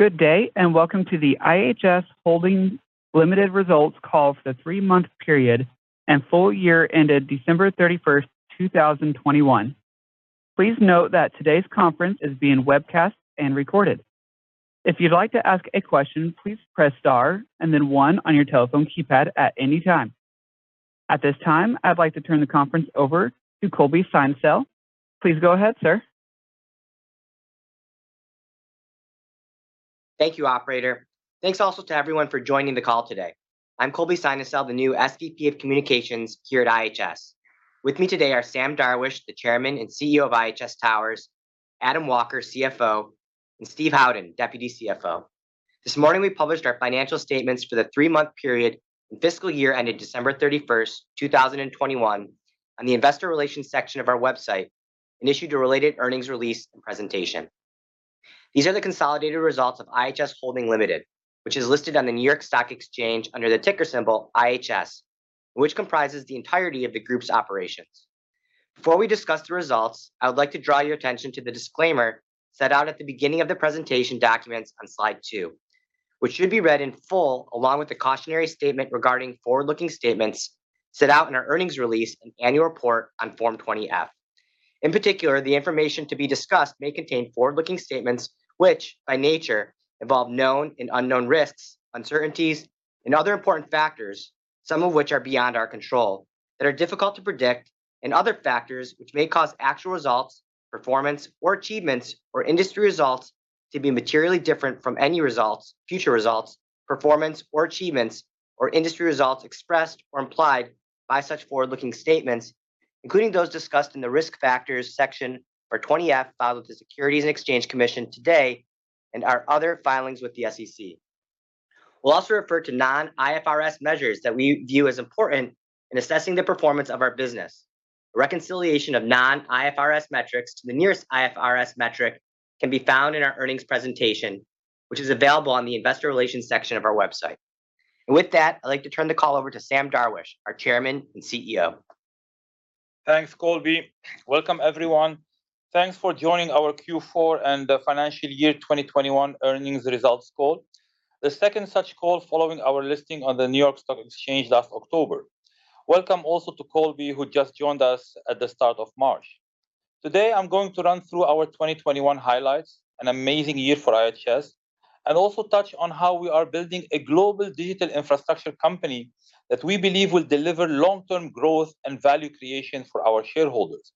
Good day, and welcome to the IHS Holding Limited results call for the three-month period and full year ended December 31, 2021. Please note that today's conference is being webcast and recorded. If you'd like to ask a question, please press star and then one on your telephone keypad at any time. At this time, I'd like to turn the conference over to Colby Synesael. Please go ahead, sir. Thank you, operator. Thanks also to everyone for joining the call today. I'm Colby Synesael, the new SVP of communications here at IHS. With me today are Sam Darwish, the chairman and CEO of IHS Towers, Adam Walker, CFO, and Steve Howden, deputy CFO. This morning we published our financial statements for the three-month period and fiscal year ended December 31, 2021 on the investor relations section of our website and issued a related earnings release and presentation. These are the consolidated results of IHS Holding Limited, which is listed on the New York Stock Exchange under the ticker symbol IHS, which comprises the entirety of the group's operations. Before we discuss the results, I would like to draw your attention to the disclaimer set out at the beginning of the presentation documents on slide two, which should be read in full along with the cautionary statement regarding forward-looking statements set out in our earnings release and annual report on Form 20-F. In particular, the information to be discussed may contain forward-looking statements which by nature involve known and unknown risks, uncertainties and other important factors, some of which are beyond our control, that are difficult to predict, and other factors which may cause actual results, performance or achievements or industry results to be materially different from any results, future results, performance or achievements or industry results expressed or implied by such forward-looking statements, including those discussed in the Risk Factors section of our Form 20-F filed with the Securities and Exchange Commission today and our other filings with the SEC. We'll also refer to non-IFRS measures that we view as important in assessing the performance of our business. A reconciliation of non-IFRS metrics to the nearest IFRS metric can be found in our earnings presentation, which is available on the investor relations section of our website. With that, I'd like to turn the call over to Sam Darwish, our Chairman and CEO. Thanks, Colby. Welcome everyone. Thanks for joining our Q4 and the financial year 2021 earnings results call, the second such call following our listing on the New York Stock Exchange last October. Welcome also to Colby, who just joined us at the start of March. Today I'm going to run through our 2021 highlights, an amazing year for IHS, and also touch on how we are building a global digital infrastructure company that we believe will deliver long-term growth and value creation for our shareholders.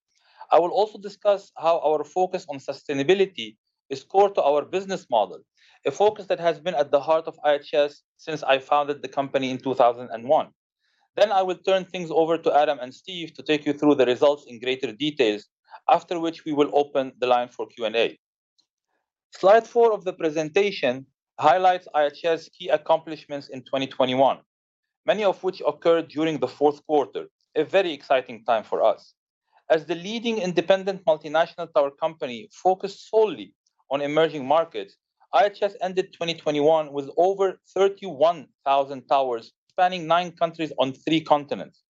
I will also discuss how our focus on sustainability is core to our business model, a focus that has been at the heart of IHS since I founded the company in 2001. I will turn things over to Adam and Steve to take you through the results in greater details, after which we will open the line for Q&A. Slide four of the presentation highlights IHS key accomplishments in 2021, many of which occurred during the fourth quarter, a very exciting time for us. As the leading independent multinational tower company focused solely on emerging markets, IHS ended 2021 with over 31,000 towers spanning nine countries on three continents.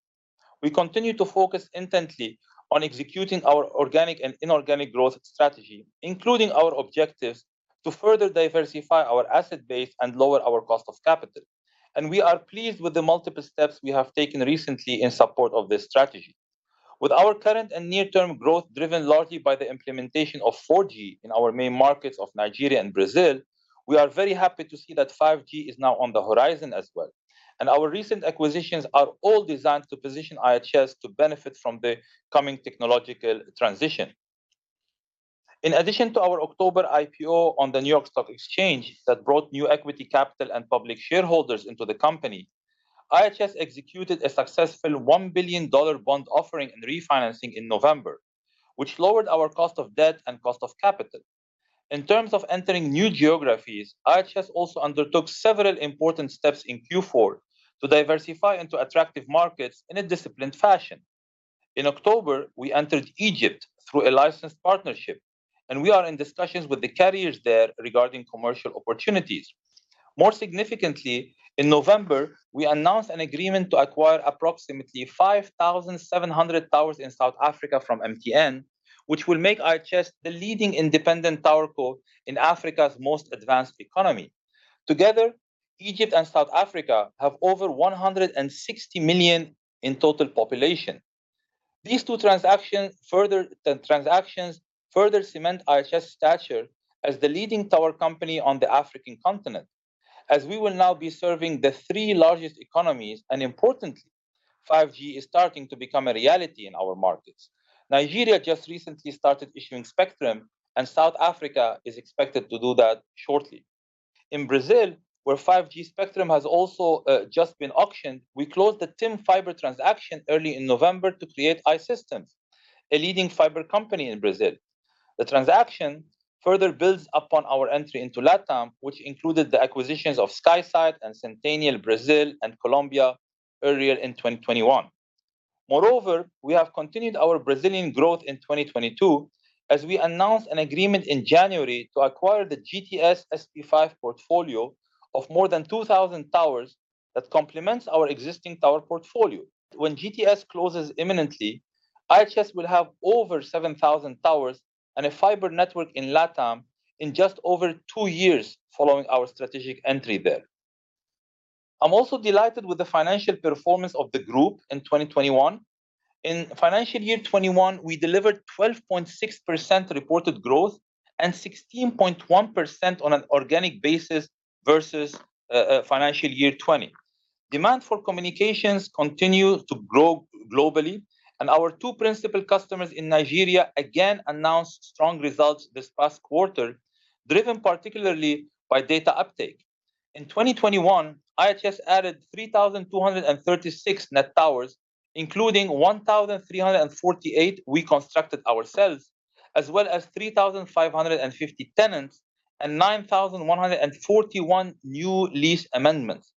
We continue to focus intently on executing our organic and inorganic growth strategy, including our objectives to further diversify our asset base and lower our cost of capital. We are pleased with the multiple steps we have taken recently in support of this strategy. With our current and near-term growth driven largely by the implementation of 4G in our main markets of Nigeria and Brazil, we are very happy to see that 5G is now on the horizon as well, and our recent acquisitions are all designed to position IHS to benefit from the coming technological transition. In addition to our October IPO on the New York Stock Exchange that brought new equity capital and public shareholders into the company, IHS executed a successful $1 billion bond offering and refinancing in November, which lowered our cost of debt and cost of capital. In terms of entering new geographies, IHS also undertook several important steps in Q4 to diversify into attractive markets in a disciplined fashion. In October, we entered Egypt through a licensed partnership, and we are in discussions with the carriers there regarding commercial opportunities. More significantly, in November, we announced an agreement to acquire approximately 5,700 towers in South Africa from MTN, which will make IHS the leading independent TowerCo in Africa's most advanced economy. Together, Egypt and South Africa have over 160 million in total population. These two transactions further cement IHS stature as the leading tower company on the African continent, as we will now be serving the three largest economies, and importantly, 5G is starting to become a reality in our markets. Nigeria just recently started issuing spectrum, and South Africa is expected to do that shortly. In Brazil, where 5G spectrum has also just been auctioned, we closed the TIM Fiber transaction early in November to create I-Systems, a leading fiber company in Brazil. The transaction further builds upon our entry into LatAm, which included the acquisitions of Skysites and Centennial Brazil and Colombia earlier in 2021. Moreover, we have continued our Brazilian growth in 2022 as we announced an agreement in January to acquire the GTS SP5 portfolio of more than 2,000 towers that complements our existing tower portfolio. When GTS closes imminently, IHS will have over 7,000 towers and a fiber network in LatAm in just over two years following our strategic entry there. I'm also delighted with the financial performance of the group in 2021. In financial year 2021, we delivered 12.6% reported growth and 16.1% on an organic basis versus financial year 2020. Demand for communications continues to grow globally, and our two principal customers in Nigeria again announced strong results this past quarter, driven particularly by data uptake. In 2021, IHS added 3,236 net towers, including 1,348 we constructed ourselves, as well as 3,550 tenants and 9,141 new lease amendments.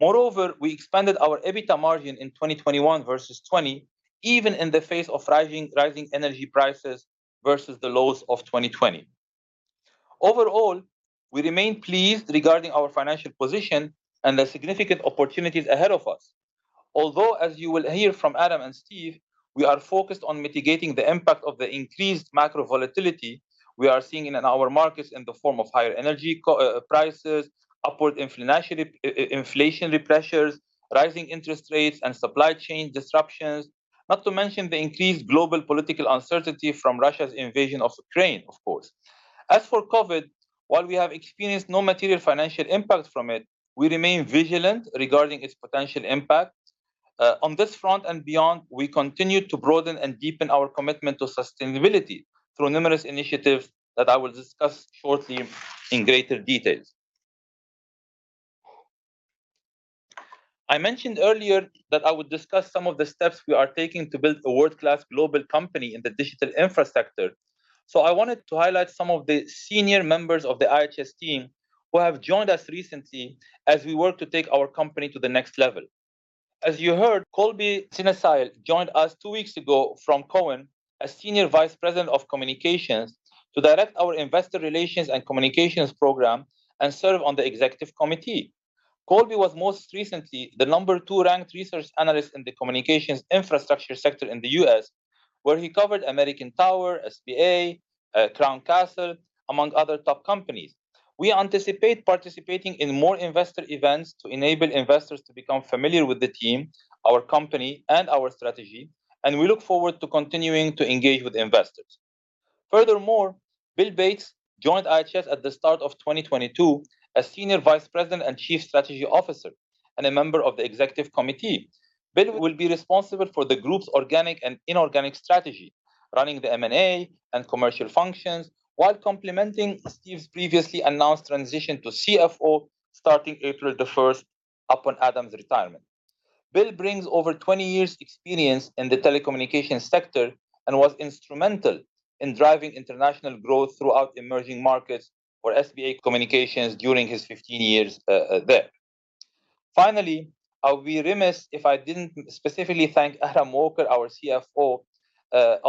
Moreover, we expanded our EBITDA margin in 2021 versus 2020, even in the face of rising energy prices versus the lows of 2020. Overall, we remain pleased regarding our financial position and the significant opportunities ahead of us. Although, as you will hear from Adam and Steve, we are focused on mitigating the impact of the increased macro volatility we are seeing in our markets in the form of higher energy prices, upward inflationary pressures, rising interest rates and supply chain disruptions. Not to mention the increased global political uncertainty from Russia's invasion of Ukraine, of course. As for COVID, while we have experienced no material financial impact from it, we remain vigilant regarding its potential impact. On this front and beyond, we continue to broaden and deepen our commitment to sustainability through numerous initiatives that I will discuss shortly in greater details. I mentioned earlier that I would discuss some of the steps we are taking to build a world-class global company in the digital infrastructure. I wanted to highlight some of the senior members of the IHS team who have joined us recently as we work to take our company to the next level. As you heard, Colby Synesael joined us two weeks ago from Cowen, as Senior Vice President of Communications, to direct our investor relations and communications program and serve on the executive committee. Colby was most recently the number two ranked research analyst in the communications infrastructure sector in the U.S., where he covered American Tower, SBA, Crown Castle, among other top companies. We anticipate participating in more investor events to enable investors to become familiar with the team, our company, and our strategy, and we look forward to continuing to engage with investors. Furthermore, Bill Bates joined IHS at the start of 2022 as Senior Vice President and Chief Strategy Officer and a member of the executive committee. Bill will be responsible for the group's organic and inorganic strategy, running the M and A and commercial functions, while complementing Steve's previously announced transition to CFO starting April 1 upon Adam's retirement. Bill brings over 20 years' experience in the telecommunications sector and was instrumental in driving international growth throughout emerging markets for SBA Communications during his 15 years there. Finally, I would be remiss if I didn't specifically thank Adam Walker, our CFO,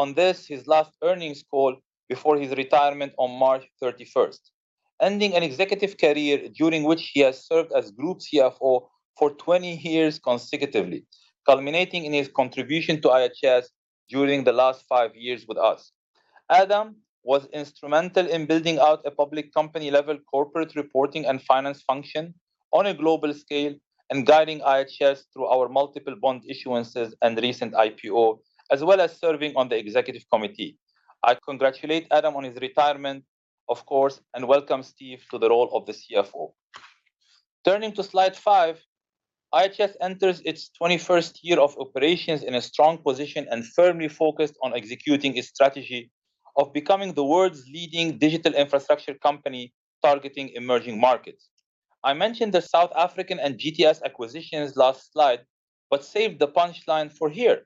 on this, his last earnings call before his retirement on March 31, ending an executive career during which he has served as group CFO for 20 years consecutively, culminating in his contribution to IHS during the last five years with us. Adam was instrumental in building out a public company-level corporate reporting and finance function on a global scale and guiding IHS through our multiple bond issuances and recent IPO, as well as serving on the executive committee. I congratulate Adam on his retirement, of course, and welcome Steve to the role of the CFO. Turning to slide 5, IHS enters its twenty-first year of operations in a strong position and firmly focused on executing its strategy of becoming the world's leading digital infrastructure company targeting emerging markets. I mentioned the South African and GTS acquisitions last slide, but saved the punchline for here.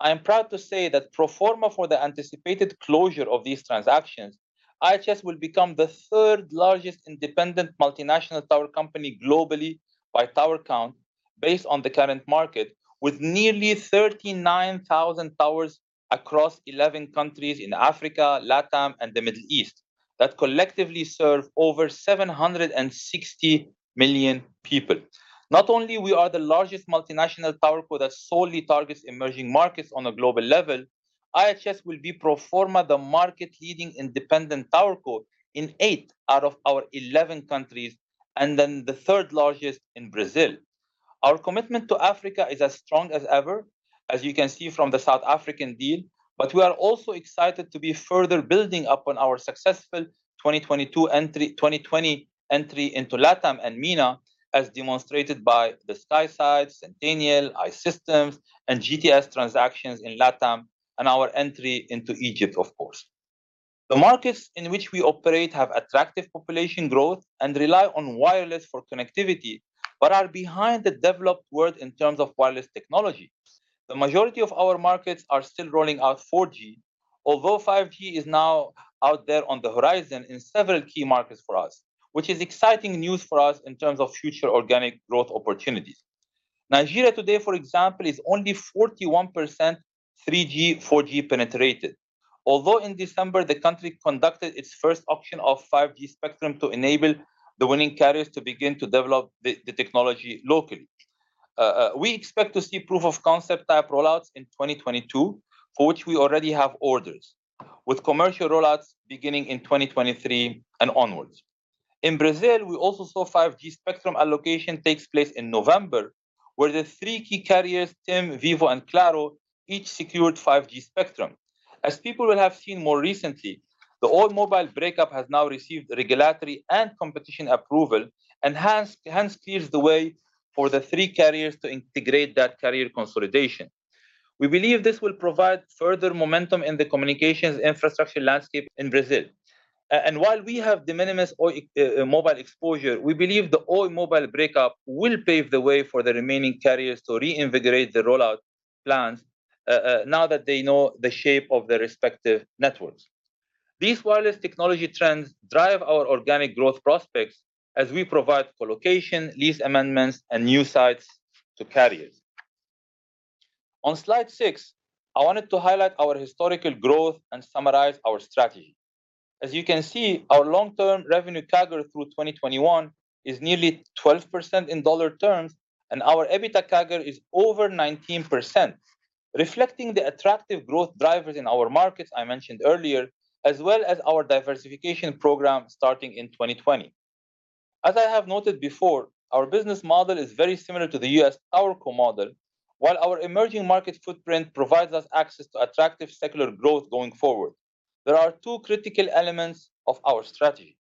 I am proud to say that pro forma for the anticipated closure of these transactions, IHS will become the third largest independent multinational tower company globally by tower count based on the current market, with nearly 39,000 towers across 11 countries in Africa, LatAm and the Middle East, that collectively serve over 760 million people. Not only we are the largest multinational tower co that solely targets emerging markets on a global level, IHS will be pro forma the market-leading independent tower co in 8 out of our 11 countries, and then the third largest in Brazil. Our commitment to Africa is as strong as ever, as you can see from the South African deal. We are also excited to be further building upon our successful 2020 entry into LatAm and MENA, as demonstrated by the Skysites, Centennial, I-Systems and GTS transactions in LatAm and our entry into Egypt, of course. The markets in which we operate have attractive population growth and rely on wireless for connectivity, but are behind the developed world in terms of wireless technology. The majority of our markets are still rolling out 4G, although 5G is now out there on the horizon in several key markets for us, which is exciting news for us in terms of future organic growth opportunities. Nigeria today, for example, is only 41% 3G, 4G penetration. Although in December, the country conducted its first auction of 5G spectrum to enable the winning carriers to begin to develop the technology locally. We expect to see proof of concept type rollouts in 2022 for which we already have orders, with commercial rollouts beginning in 2023 and onwards. In Brazil, we also saw 5G spectrum allocation takes place in November, where the three key carriers, TIM, Vivo, and Claro, each secured 5G spectrum. As people will have seen more recently, the Oi Mobile breakup has now received regulatory and competition approval and has hence cleared the way for the three carriers to integrate that carrier consolidation. We believe this will provide further momentum in the communications infrastructure landscape in Brazil. While we have de minimis Oi Mobile exposure, we believe the Oi Mobile breakup will pave the way for the remaining carriers to reinvigorate their rollout plans now that they know the shape of their respective networks. These wireless technology trends drive our organic growth prospects as we provide colocation, lease amendments, and new sites to carriers. On Slide six, I wanted to highlight our historical growth and summarize our strategy. As you can see, our long-term revenue CAGR through 2021 is nearly 12% in dollar terms, and our EBITDA CAGR is over 19%, reflecting the attractive growth drivers in our markets I mentioned earlier, as well as our diversification program starting in 2020. As I have noted before, our business model is very similar to the U.S. TowerCo model. While our emerging market footprint provides us access to attractive secular growth going forward, there are two critical elements of our strategy.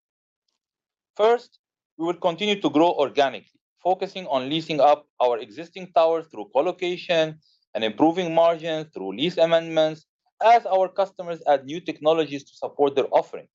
First, we will continue to grow organically, focusing on leasing up our existing towers through colocation and improving margins through lease amendments as our customers add new technologies to support their offerings.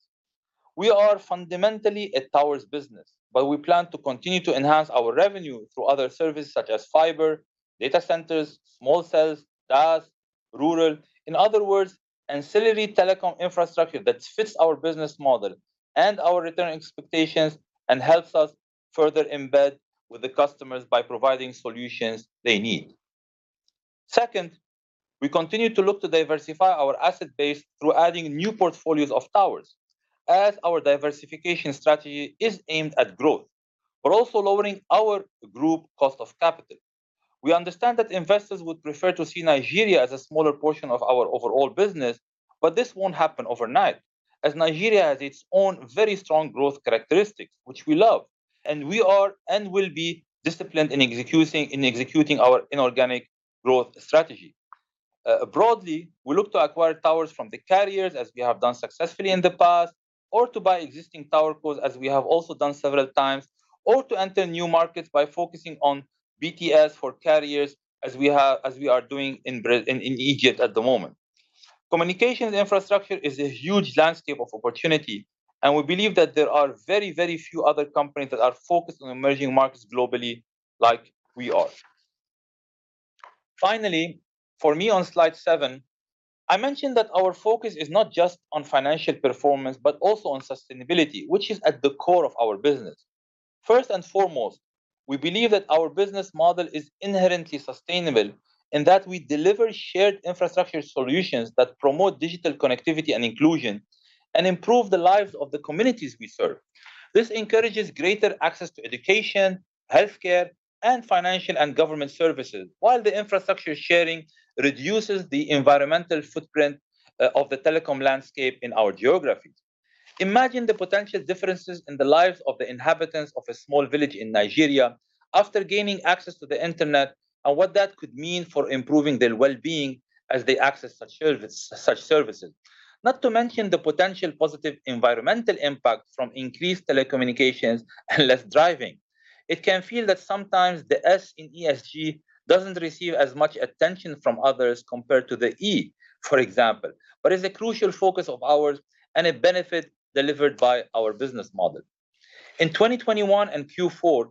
We are fundamentally a towers business, but we plan to continue to enhance our revenue through other services such as fiber, data centers, small cells, DAS, rural. In other words, ancillary telecom infrastructure that fits our business model and our return expectations and helps us further embed with the customers by providing solutions they need. Second, we continue to look to diversify our asset base through adding new portfolios of towers as our diversification strategy is aimed at growth, but also lowering our group cost of capital. We understand that investors would prefer to see Nigeria as a smaller portion of our overall business, but this won't happen overnight, as Nigeria has its own very strong growth characteristics, which we love, and we are and will be disciplined in executing our inorganic growth strategy. Broadly, we look to acquire towers from the carriers, as we have done successfully in the past, or to buy existing tower cores, as we have also done several times, or to enter new markets by focusing on BTS for carriers as we are doing in Egypt at the moment. Communications infrastructure is a huge landscape of opportunity, and we believe that there are very, very few other companies that are focused on emerging markets globally like we are. Finally, for me on slide seven, I mentioned that our focus is not just on financial performance, but also on sustainability, which is at the core of our business. First and foremost, we believe that our business model is inherently sustainable in that we deliver shared infrastructure solutions that promote digital connectivity and inclusion and improve the lives of the communities we serve. This encourages greater access to education, healthcare, and financial and government services, while the infrastructure sharing reduces the environmental footprint of the telecom landscape in our geographies. Imagine the potential differences in the lives of the inhabitants of a small village in Nigeria after gaining access to the internet, and what that could mean for improving their well-being as they access such service, such services. Not to mention the potential positive environmental impact from increased telecommunications and less driving. It can feel that sometimes the S in ESG doesn't receive as much attention from others compared to the E, for example, but is a crucial focus of ours and a benefit delivered by our business model. In 2021 and Q4,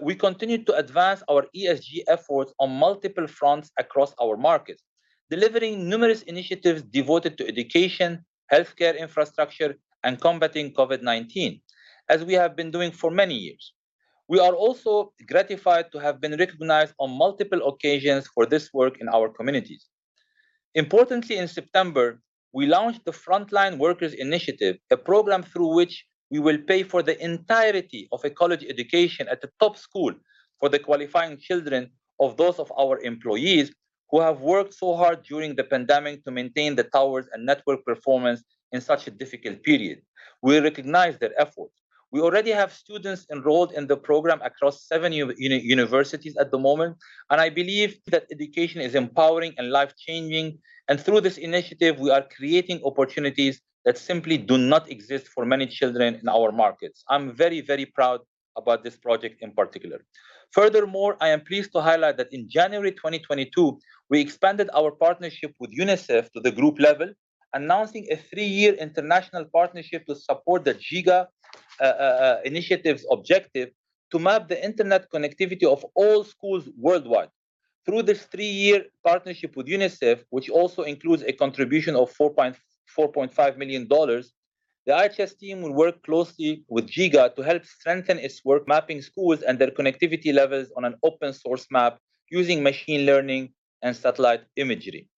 we continued to advance our ESG efforts on multiple fronts across our markets, delivering numerous initiatives devoted to education, healthcare infrastructure, and combating COVID-19, as we have been doing for many years. We are also gratified to have been recognized on multiple occasions for this work in our communities. Importantly, in September, we launched the Frontline Workers Initiative, a program through which we will pay for the entirety of a college education at a top school for the qualifying children of those of our employees who have worked so hard during the pandemic to maintain the towers and network performance in such a difficult period. We recognize their efforts. We already have students enrolled in the program across seven universities at the moment, and I believe that education is empowering and life changing. Through this initiative, we are creating opportunities that simply do not exist for many children in our markets. I'm very, very proud about this project in particular. Furthermore, I am pleased to highlight that in January 2022, we expanded our partnership with UNICEF to the group level, announcing a three-year international partnership to support the Giga initiative's objective to map the internet connectivity of all schools worldwide. Through this three-year partnership with UNICEF, which also includes a contribution of $4.5 million, the IHS team will work closely with Giga to help strengthen its work mapping schools and their connectivity levels on an open source map using machine learning and satellite imagery.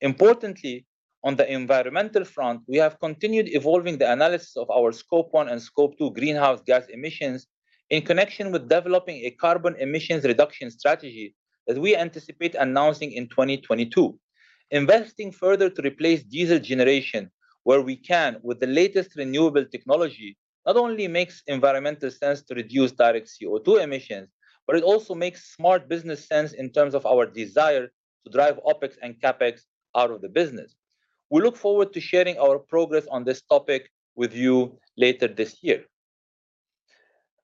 Importantly, on the environmental front, we have continued evolving the analysis of our Scope one and Scope two greenhouse gas emissions in connection with developing a carbon emissions reduction strategy that we anticipate announcing in 2022. Investing further to replace diesel generation where we can with the latest renewable technology not only makes environmental sense to reduce direct CO2 emissions, but it also makes smart business sense in terms of our desire to drive OpEx and CapEx out of the business. We look forward to sharing our progress on this topic with you later this year.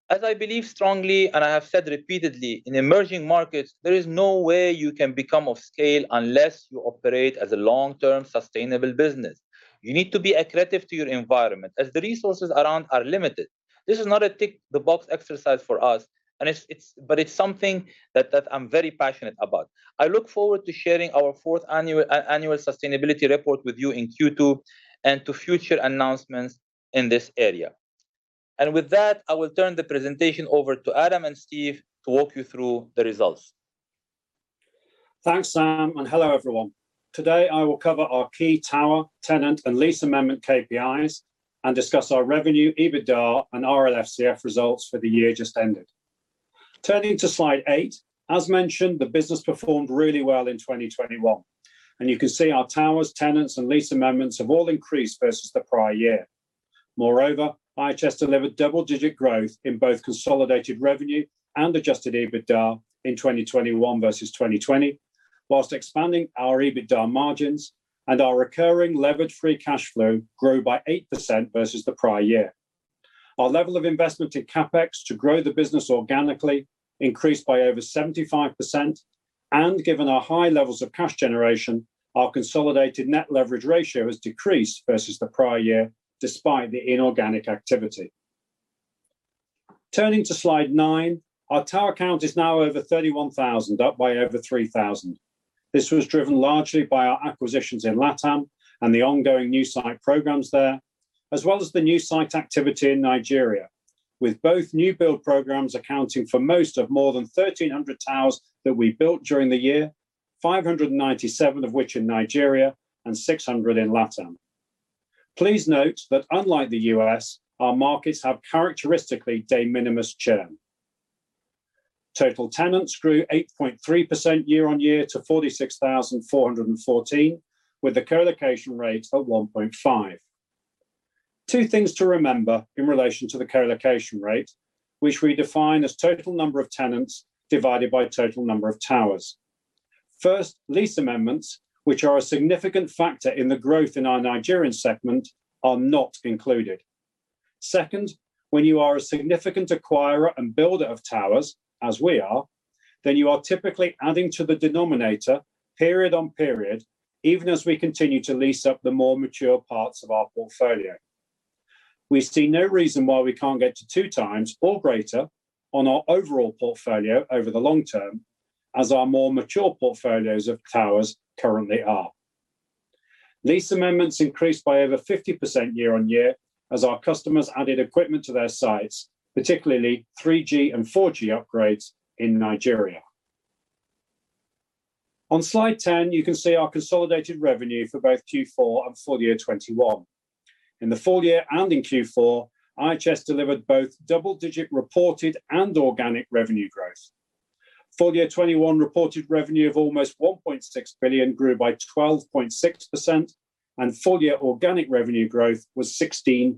As I believe strongly and I have said repeatedly, in emerging markets, there is no way you can become of scale unless you operate as a long-term sustainable business. You need to be accretive to your environment as the resources around are limited. This is not a tick the box exercise for us, and it's but it's something that I'm very passionate about. I look forward to sharing our fourth annual sustainability report with you in Q2 and to future announcements in this area. With that, I will turn the presentation over to Adam and Steve to walk you through the results. Thanks, Sam, and hello, everyone. Today, I will cover our key tower, tenant, and lease amendment KPIs and discuss our revenue, EBITDA, and RLFCF results for the year just ended. Turning to slide eight, as mentioned, the business performed really well in 2021, and you can see our towers, tenants, and lease amendments have all increased versus the prior year. Moreover, IHS delivered double-digit growth in both consolidated revenue and adjusted EBITDA in 2021 versus 2020, while expanding our EBITDA margins and our recurring levered free cash flow grew by 8% versus the prior year. Our level of investment in CapEx to grow the business organically increased by over 75%, and given our high levels of cash generation, our consolidated net leverage ratio has decreased versus the prior year despite the inorganic activity. Turning to slide nine, our tower count is now over 31,000, up by over 3,000. This was driven largely by our acquisitions in LatAm and the ongoing new site programs there, as well as the new site activity in Nigeria, with both new build programs accounting for most of more than 1,300 towers that we built during the year, 597 of which in Nigeria and 600 in LatAm. Please note that unlike the U.S., our markets have characteristically de minimis churn. Total tenants grew 8.3% year-on-year to 46,414, with the co-location rate at 1.5. Two things to remember in relation to the co-location rate, which we define as total number of tenants divided by total number of towers. First, lease amendments, which are a significant factor in the growth in our Nigerian segment, are not included. Second, when you are a significant acquirer and builder of towers, as we are, then you are typically adding to the denominator period-over-period, even as we continue to lease up the more mature parts of our portfolio. We see no reason why we can't get to 2x or greater on our overall portfolio over the long term, as our more mature portfolios of towers currently are. Lease amendments increased by over 50% year-over-year as our customers added equipment to their sites, particularly 3G and 4G upgrades in Nigeria. On slide 10, you can see our consolidated revenue for both Q4 and full year 2021. In the full year 2021 and in Q4, IHS delivered both double-digit reported and organic revenue growth. Full year 2021 reported revenue of almost 1.6 billion grew by 12.6%, and full year organic revenue growth was 16.1%.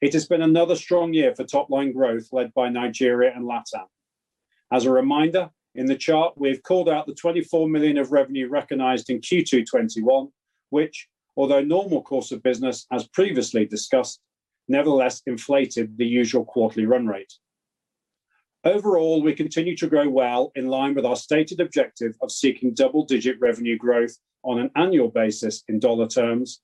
It has been another strong year for top-line growth led by Nigeria and LatAm. As a reminder, in the chart, we've called out the 24 million of revenue recognized in Q2 2021, which, although normal course of business as previously discussed, nevertheless inflated the usual quarterly run rate. Overall, we continue to grow well in line with our stated objective of seeking double-digit revenue growth on an annual basis in dollar terms,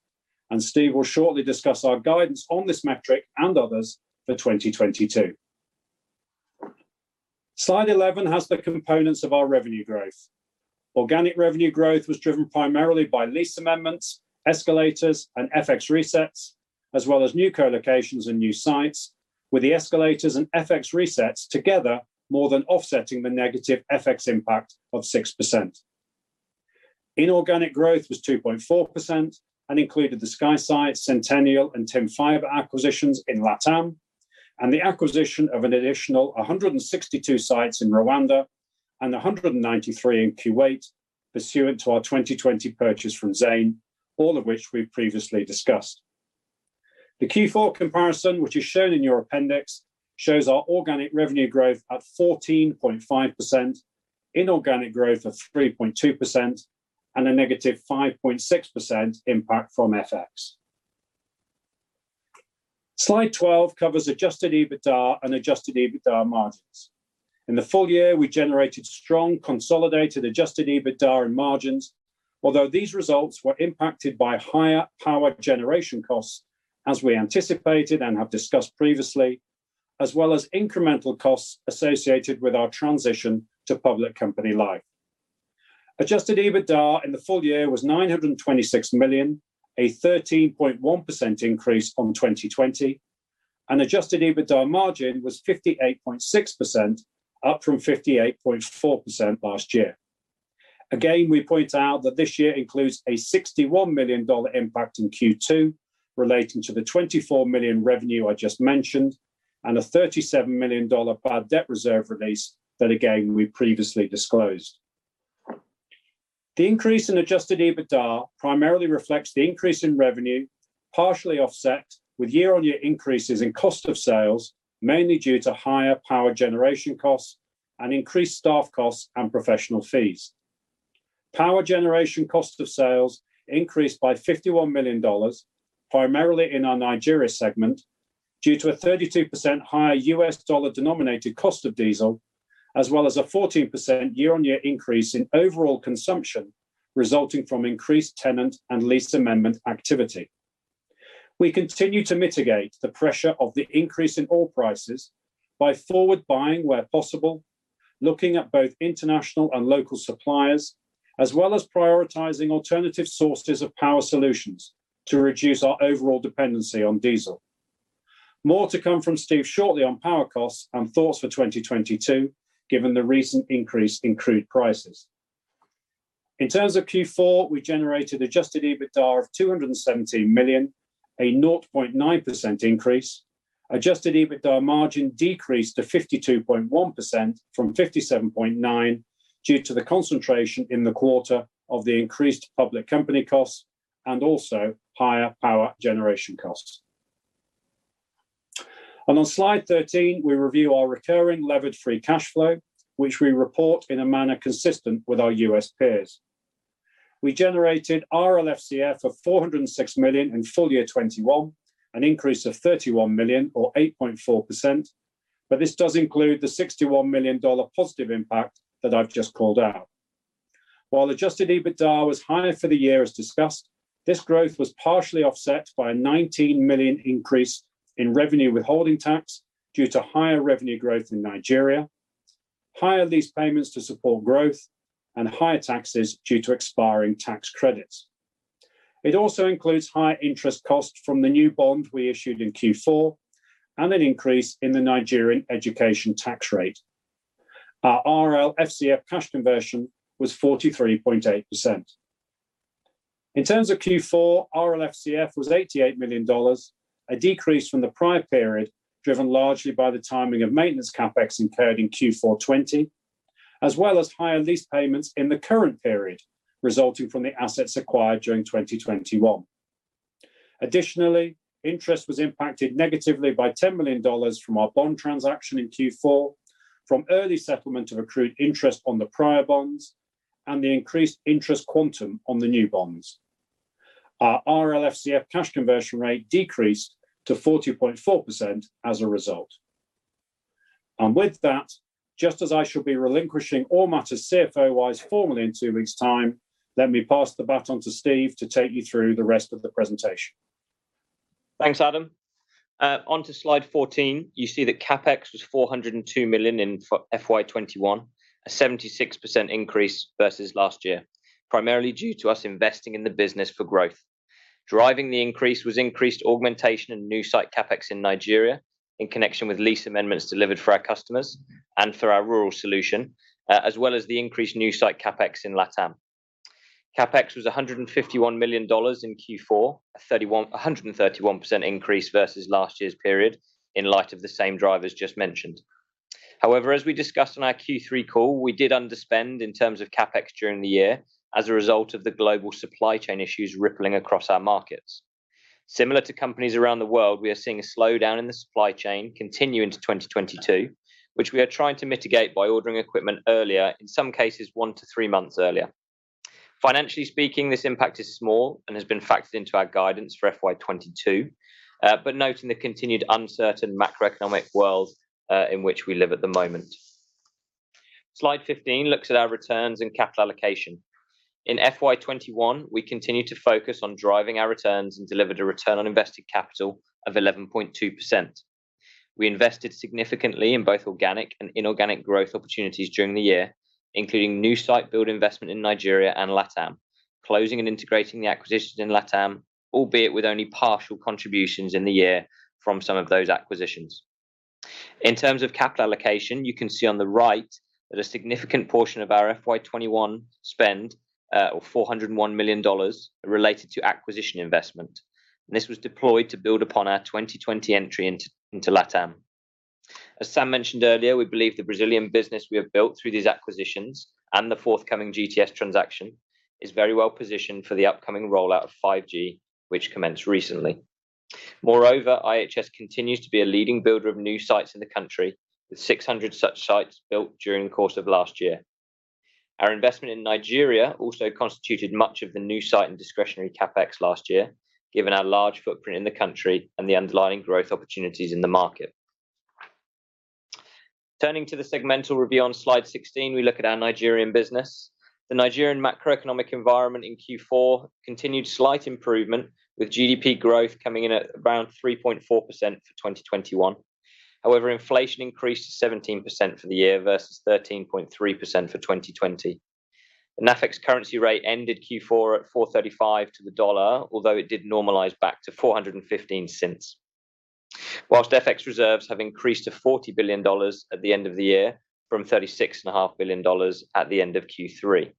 and Steve will shortly discuss our guidance on this metric and others for 2022. Slide 11 has the components of our revenue growth. Organic revenue growth was driven primarily by lease amendments, escalators, and FX resets, as well as new co-locations and new sites, with the escalators and FX resets together more than offsetting the negative FX impact of 6%. Inorganic growth was 2.4% and included the Skysites, Centennial Towers, and TIM Fiber acquisitions in LatAm, and the acquisition of an additional 162 sites in Rwanda and 193 in Kuwait pursuant to our 2020 purchase from Zain, all of which we've previously discussed. The Q4 comparison, which is shown in your appendix, shows our organic revenue growth at 14.5%, inorganic growth of 3.2%, and a negative 5.6% impact from FX. Slide 12 covers adjusted EBITDA and adjusted EBITDA margins. In the full year, we generated strong consolidated adjusted EBITDA and margins, although these results were impacted by higher power generation costs as we anticipated and have discussed previously, as well as incremental costs associated with our transition to public company life. Adjusted EBITDA in the full year was 926 million, a 13.1% increase from 2020. Adjusted EBITDA margin was 58.6%, up from 58.4% last year. Again, we point out that this year includes a $61 million impact in Q2 relating to the 24 million revenue I just mentioned, and a $37 million bad debt reserve release that again, we previously disclosed. The increase in adjusted EBITDA primarily reflects the increase in revenue, partially offset with year-over-year increases in cost of sales, mainly due to higher power generation costs and increased staff costs and professional fees. Power generation cost of sales increased by $51 million, primarily in our Nigeria segment, due to a 32% higher U.S. dollar denominated cost of diesel, as well as a 14% year-over-year increase in overall consumption resulting from increased tenant and lease amendment activity. We continue to mitigate the pressure of the increase in oil prices by forward buying where possible, looking at both international and local suppliers, as well as prioritizing alternative sources of power solutions to reduce our overall dependency on diesel. More to come from Steve shortly on power costs and thoughts for 2022, given the recent increase in crude prices. In terms of Q4, we generated adjusted EBITDA of 217 million, a 0.9% increase. Adjusted EBITDA margin decreased to 52.1% from 57.9% due to the concentration in the quarter of the increased public company costs and also higher power generation costs. On slide 13, we review our recurring levered free cash flow, which we report in a manner consistent with our U.S. peers. We generated RLFCF of 406 million in full year 2021, an increase of 31 million or 8.4%, but this does include the $61 million positive impact that I've just called out. While adjusted EBITDA was higher for the year as discussed, this growth was partially offset by a 19 million increase in revenue withholding tax due to higher revenue growth in Nigeria, higher lease payments to support growth, and higher taxes due to expiring tax credits. It also includes higher interest costs from the new bond we issued in Q4, and an increase in the Nigerian education tax rate. Our RLFCF cash conversion was 43.8%. In terms of Q4, RLFCF was $88 million, a decrease from the prior period, driven largely by the timing of maintenance CapEx incurred in Q4 2020, as well as higher lease payments in the current period resulting from the assets acquired during 2021. Additionally, interest was impacted negatively by $10 million from our bond transaction in Q4 from early settlement of accrued interest on the prior bonds and the increased interest quantum on the new bonds. Our RLFCF cash conversion rate decreased to 40.4% as a result. With that, just as I shall be relinquishing all matters CFO-wise formally in two weeks' time, let me pass the baton to Steve to take you through the rest of the presentation. Thanks, Adam. Onto slide fourteen. You see that CapEx was 402 million in FY 2021, a 76% increase versus last year, primarily due to us investing in the business for growth. Driving the increase was increased augmentation and new site CapEx in Nigeria in connection with lease amendments delivered for our customers and for our rural solution, as well as the increased new site CapEx in LatAm. CapEx was $151 million in Q4, a 131% increase versus last year's period in light of the same drivers just mentioned. However, as we discussed on our Q3 call, we did underspend in terms of CapEx during the year as a result of the global supply chain issues rippling across our markets. Similar to companies around the world, we are seeing a slowdown in the supply chain continue into 2022, which we are trying to mitigate by ordering equipment earlier, in some cases one-three months earlier. Financially speaking, this impact is small and has been factored into our guidance for FY 2022, but noting the continued uncertain macroeconomic world, in which we live at the moment. Slide 15 looks at our returns and capital allocation. In FY 2021, we continued to focus on driving our returns and delivered a return on invested capital of 11.2%. We invested significantly in both organic and inorganic growth opportunities during the year, including new site build investment in Nigeria and LatAm, closing and integrating the acquisitions in LatAm, albeit with only partial contributions in the year from some of those acquisitions. In terms of capital allocation, you can see on the right that a significant portion of our FY 2021 spend, or $401 million related to acquisition investment. This was deployed to build upon our 2020 entry into LatAm. As Sam mentioned earlier, we believe the Brazilian business we have built through these acquisitions and the forthcoming GTS transaction is very well positioned for the upcoming rollout of 5G, which commenced recently. Moreover, IHS continues to be a leading builder of new sites in the country, with 600 such sites built during the course of last year. Our investment in Nigeria also constituted much of the new site and discretionary CapEx last year, given our large footprint in the country and the underlying growth opportunities in the market. Turning to the segmental review on slide 16, we look at our Nigerian business. The Nigerian macroeconomic environment in Q4 continued slight improvement, with GDP growth coming in at around 3.4% for 2021. However, inflation increased to 17% for the year versus 13.3% for 2020. The NAFEX currency rate ended Q4 at 435 to the dollar, although it did normalize back to 415 since. While FX reserves have increased to $40 billion at the end of the year from $36.5 billion at the end of Q3.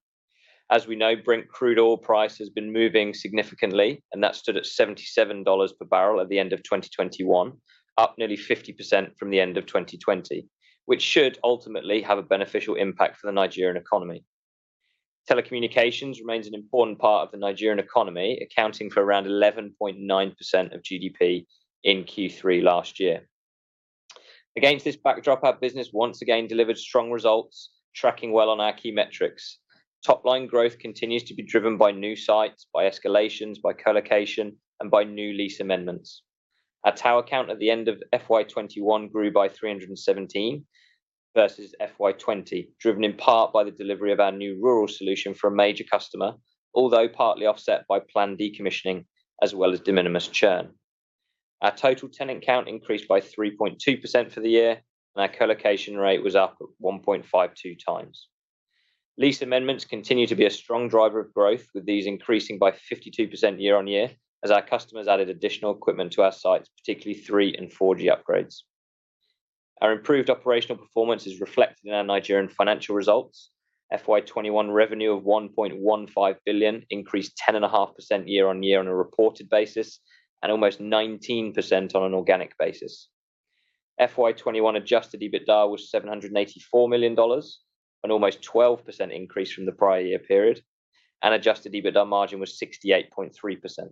As we know, Brent crude oil price has been moving significantly, and that stood at $77 per barrel at the end of 2021, up nearly 50% from the end of 2020, which should ultimately have a beneficial impact for the Nigerian economy. Telecommunications remains an important part of the Nigerian economy, accounting for around 11.9% of GDP in Q3 last year. Against this backdrop, our business once again delivered strong results, tracking well on our key metrics. Top line growth continues to be driven by new sites, by escalations, by colocation, and by new lease amendments. Our tower count at the end of FY 2021 grew by 317 versus FY 2020, driven in part by the delivery of our new rural solution for a major customer, although partly offset by planned decommissioning as well as de minimis churn. Our total tenant count increased by 3.2% for the year, and our colocation rate was up at 1.52 times. Lease amendments continue to be a strong driver of growth, with these increasing by 52% year-on-year as our customers added additional equipment to our sites, particularly 3G and 4G upgrades. Our improved operational performance is reflected in our Nigerian financial results. FY 2021 revenue of 1.15 billion increased 10.5% year-on-year on a reported basis and almost 19% on an organic basis. FY 2021 adjusted EBITDA was $784 million, an almost 12% increase from the prior year period, and adjusted EBITDA margin was 68.3%.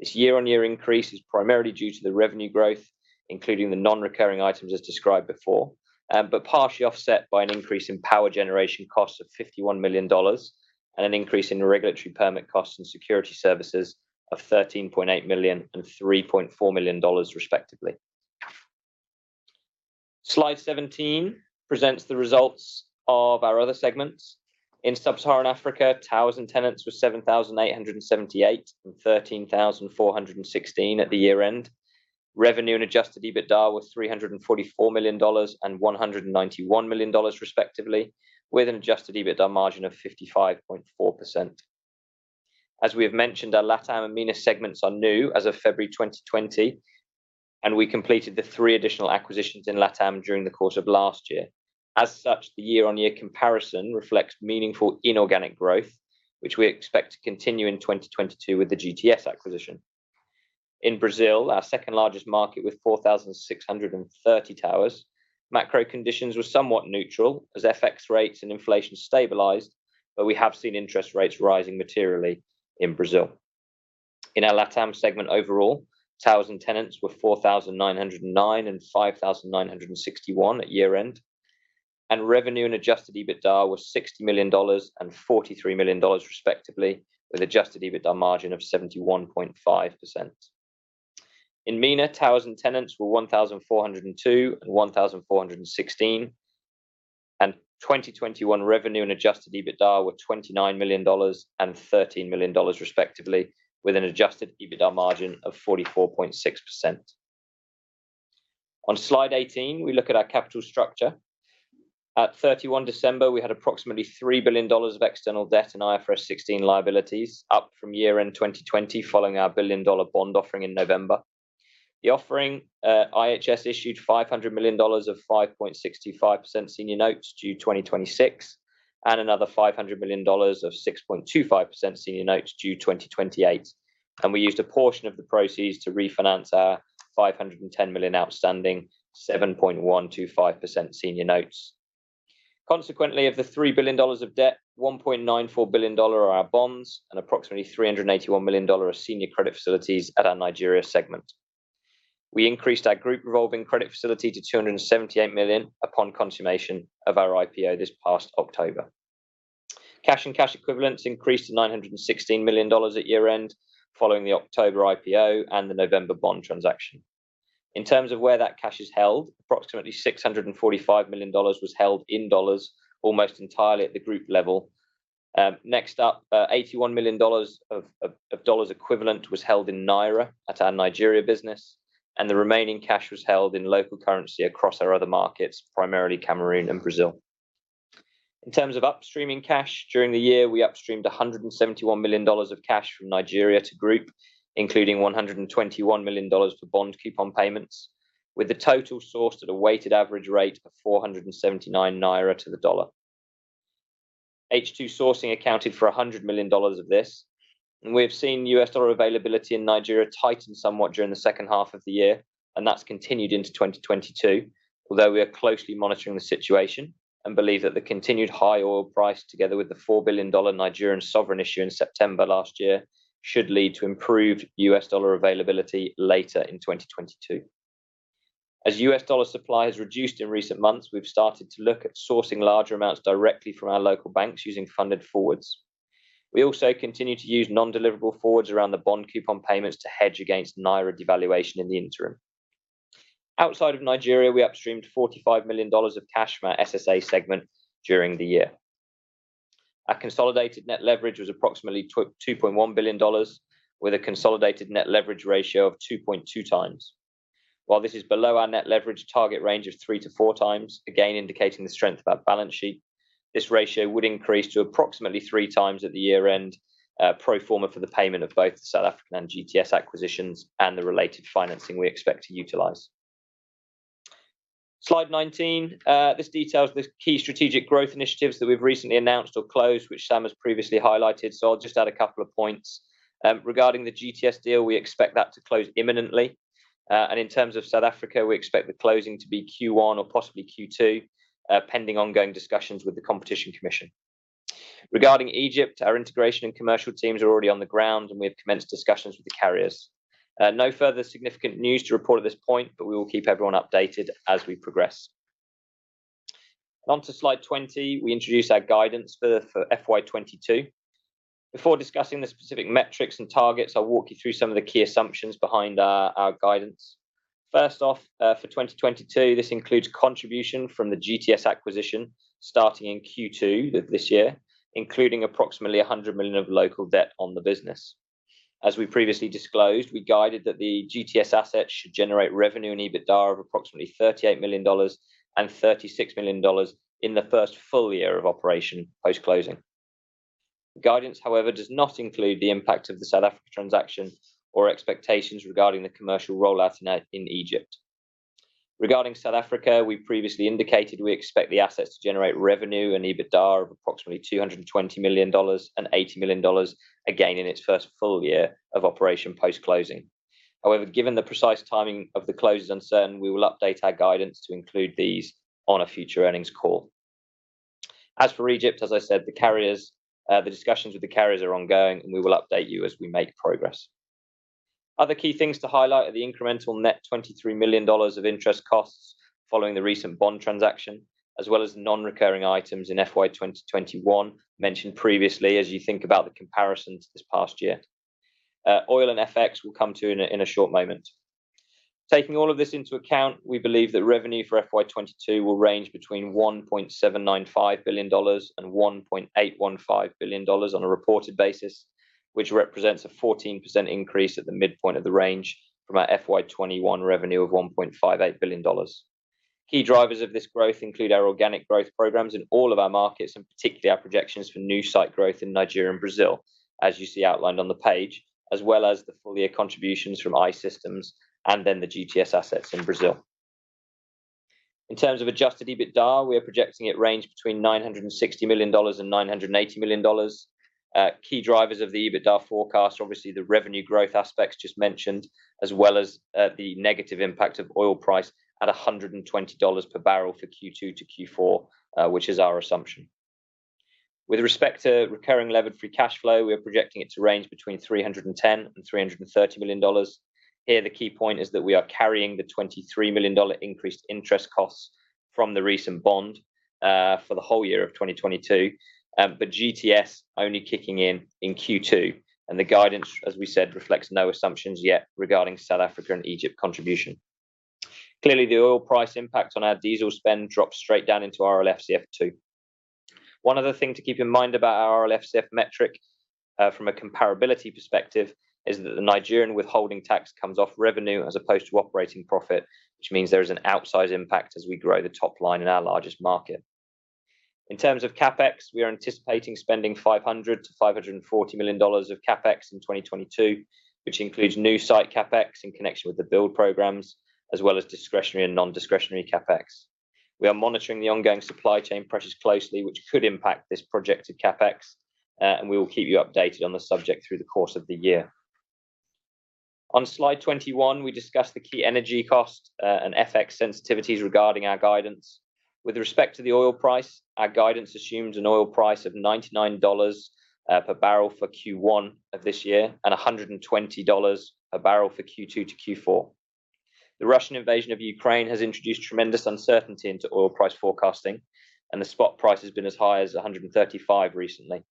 This year-on-year increase is primarily due to the revenue growth, including the non-recurring items as described before, but partially offset by an increase in power generation costs of $51 million and an increase in regulatory permit costs and security services of 13.8 million and 3.4 million, respectively. Slide 17 presents the results of our other segments. In sub-Saharan Africa, towers and tenants were 7,878 and 13,416 at the year-end. Revenue and Adjusted EBITDA were $344 million and $191 million, respectively, with an Adjusted EBITDA margin of 55.4%. As we have mentioned, our LatAm and MENA segments are new as of February 2020, and we completed the three additional acquisitions in LatAm during the course of last year. As such, the year-on-year comparison reflects meaningful inorganic growth, which we expect to continue in 2022 with the GTS acquisition. In Brazil, our second largest market with 4,630 towers, macro conditions were somewhat neutral as FX rates and inflation stabilized, but we have seen interest rates rising materially in Brazil. In our LatAm segment overall, towers and tenants were 4,909 and 5,961 at year-end, and revenue and adjusted EBITDA were $60 million and $43 million, respectively, with adjusted EBITDA margin of 71.5%. In MENA, towers and tenants were 1,402 and 1,416, and 2021 revenue and adjusted EBITDA were $29 million and $13 million, respectively, with an adjusted EBITDA margin of 44.6%. On slide 18, we look at our capital structure. At 31 December, we had approximately $3 billion of external debt and IFRS 16 liabilities up from year-end 2020 following our $1 billion bond offering in November. The offering, IHS issued $500 million of 5.65% senior notes due 2026 and another $500 million of 6.25% senior notes due 2028, and we used a portion of the proceeds to refinance our $510 million outstanding 7.125% senior notes. Consequently, of the $3 billion of debt, $1.94 billion are our bonds and approximately $381 million are senior credit facilities at our Nigeria segment. We increased our group revolving credit facility to $278 million upon consummation of our IPO this past October. Cash and cash equivalents increased to $916 million at year-end following the October IPO and the November bond transaction. In terms of where that cash is held, approximately $645 million was held in dollars almost entirely at the group level. Next up, $81 million of dollars equivalent was held in Naira at our Nigeria business, and the remaining cash was held in local currency across our other markets, primarily Cameroon and Brazil. In terms of upstreaming cash, during the year, we upstreamed $171 million of cash from Nigeria to group, including $121 million for bond coupon payments, with the total sourced at a weighted average rate of 479 Naira to the dollar. H2 sourcing accounted for $100 million of this, and we have seen U.S. Dollar availability in Nigeria tighten somewhat during the second half of the year, and that's continued into 2022. Although we are closely monitoring the situation and believe that the continued high oil price, together with the $4 billion Nigerian sovereign issue in September last year, should lead to improved U.S. Dollar availability later in 2022. As U.S. dollar supply has reduced in recent months, we've started to look at sourcing larger amounts directly from our local banks using funded forwards. We also continue to use non-deliverable forwards around the bond coupon payments to hedge against Naira devaluation in the interim. Outside of Nigeria, we upstreamed $45 million of cash from our SSA segment during the year. Our consolidated net leverage was approximately $2.1 billion with a consolidated net leverage ratio of 2.2 times. While this is below our net leverage target range of three-four times, again indicating the strength of our balance sheet, this ratio would increase to approximately three times at the year end, pro forma for the payment of both the South African and GTS acquisitions and the related financing we expect to utilize. Slide 19, this details the key strategic growth initiatives that we've recently announced or closed, which Sam has previously highlighted, so I'll just add a couple of points. Regarding the GTS deal, we expect that to close imminently. In terms of South Africa, we expect the closing to be Q1 or possibly Q2, pending ongoing discussions with the Competition Commission. Regarding Egypt, our integration and commercial teams are already on the ground, and we have commenced discussions with the carriers. No further significant news to report at this point, but we will keep everyone updated as we progress. On to slide 20, we introduce our guidance for FY 2022. Before discussing the specific metrics and targets, I'll walk you through some of the key assumptions behind our guidance. First off, for 2022, this includes contribution from the GTS acquisition starting in Q2 this year, including approximately 100 million of local debt on the business. As we previously disclosed, we guided that the GTS assets should generate revenue and EBITDA of approximately $38 million and $36 million in the first full year of operation post-closing. The guidance, however, does not include the impact of the South Africa transaction or expectations regarding the commercial rollout in Egypt. Regarding South Africa, we previously indicated we expect the assets to generate revenue and EBITDA of approximately $220 million and $80 million, again in its first full year of operation post-closing. However, given the precise timing of the close is uncertain, we will update our guidance to include these on a future earnings call. As for Egypt, as I said, the carriers, the discussions with the carriers are ongoing, and we will update you as we make progress. Other key things to highlight are the incremental net $23 million of interest costs following the recent bond transaction, as well as non-recurring items in FY 2021 mentioned previously as you think about the comparisons this past year. Oil and FX we'll come to in a short moment. Taking all of this into account, we believe that revenue for FY 2022 will range between $1.795 billion and $1.815 billion on a reported basis, which represents a 14% increase at the midpoint of the range from our FY 2021 revenue of $1.58 billion. Key drivers of this growth include our organic growth programs in all of our markets, and particularly our projections for new site growth in Nigeria and Brazil, as you see outlined on the page, as well as the full-year contributions from I-Systems and then the GTS assets in Brazil. In terms of adjusted EBITDA, we are projecting it range between $960 million and $980 million. Key drivers of the EBITDA forecast are obviously the revenue growth aspects just mentioned, as well as, the negative impact of oil price at $120 per barrel for Q2 to Q4, which is our assumption. With respect to recurring levered free cash flow, we are projecting it to range between $310 million and $330 million. Here, the key point is that we are carrying the $23 million increased interest costs from the recent bond, for the whole year of 2022, but GTS only kicking in in Q2, and the guidance, as we said, reflects no assumptions yet regarding South Africa and Egypt contribution. Clearly, the oil price impact on our diesel spend drops straight down into our RLFCF too. One other thing to keep in mind about our RLFCF metric, from a comparability perspective, is that the Nigerian withholding tax comes off revenue as opposed to operating profit, which means there is an outsize impact as we grow the top line in our largest market. In terms of CapEx, we are anticipating spending $500 million-$540 million of CapEx in 2022, which includes new site CapEx in connection with the build programs, as well as discretionary and non-discretionary CapEx. We are monitoring the ongoing supply chain pressures closely, which could impact this projected CapEx, and we will keep you updated on this subject through the course of the year. On slide 21, we discuss the key energy costs, and FX sensitivities regarding our guidance. With respect to the oil price, our guidance assumes an oil price of $99 per barrel for Q1 of this year and $120 a barrel for Q2 to Q4. The Russian invasion of Ukraine has introduced tremendous uncertainty into oil price forecasting, and the spot price has been as high as 135 recently.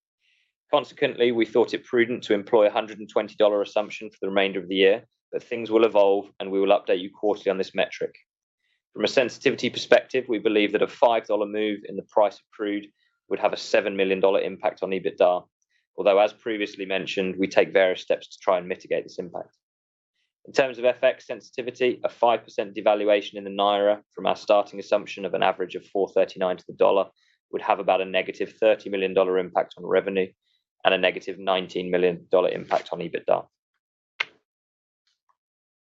Consequently, we thought it prudent to employ a $120 assumption for the remainder of the year, but things will evolve, and we will update you quarterly on this metric. From a sensitivity perspective, we believe that a $5 move in the price of crude would have a $7 million impact on EBITDA. Although, as previously mentioned, we take various steps to try and mitigate this impact. In terms of FX sensitivity, a 5% devaluation in the naira from our starting assumption of an average of 439 to the dollar would have about a -$30 million impact on revenue and a -$19 million impact on EBITDA.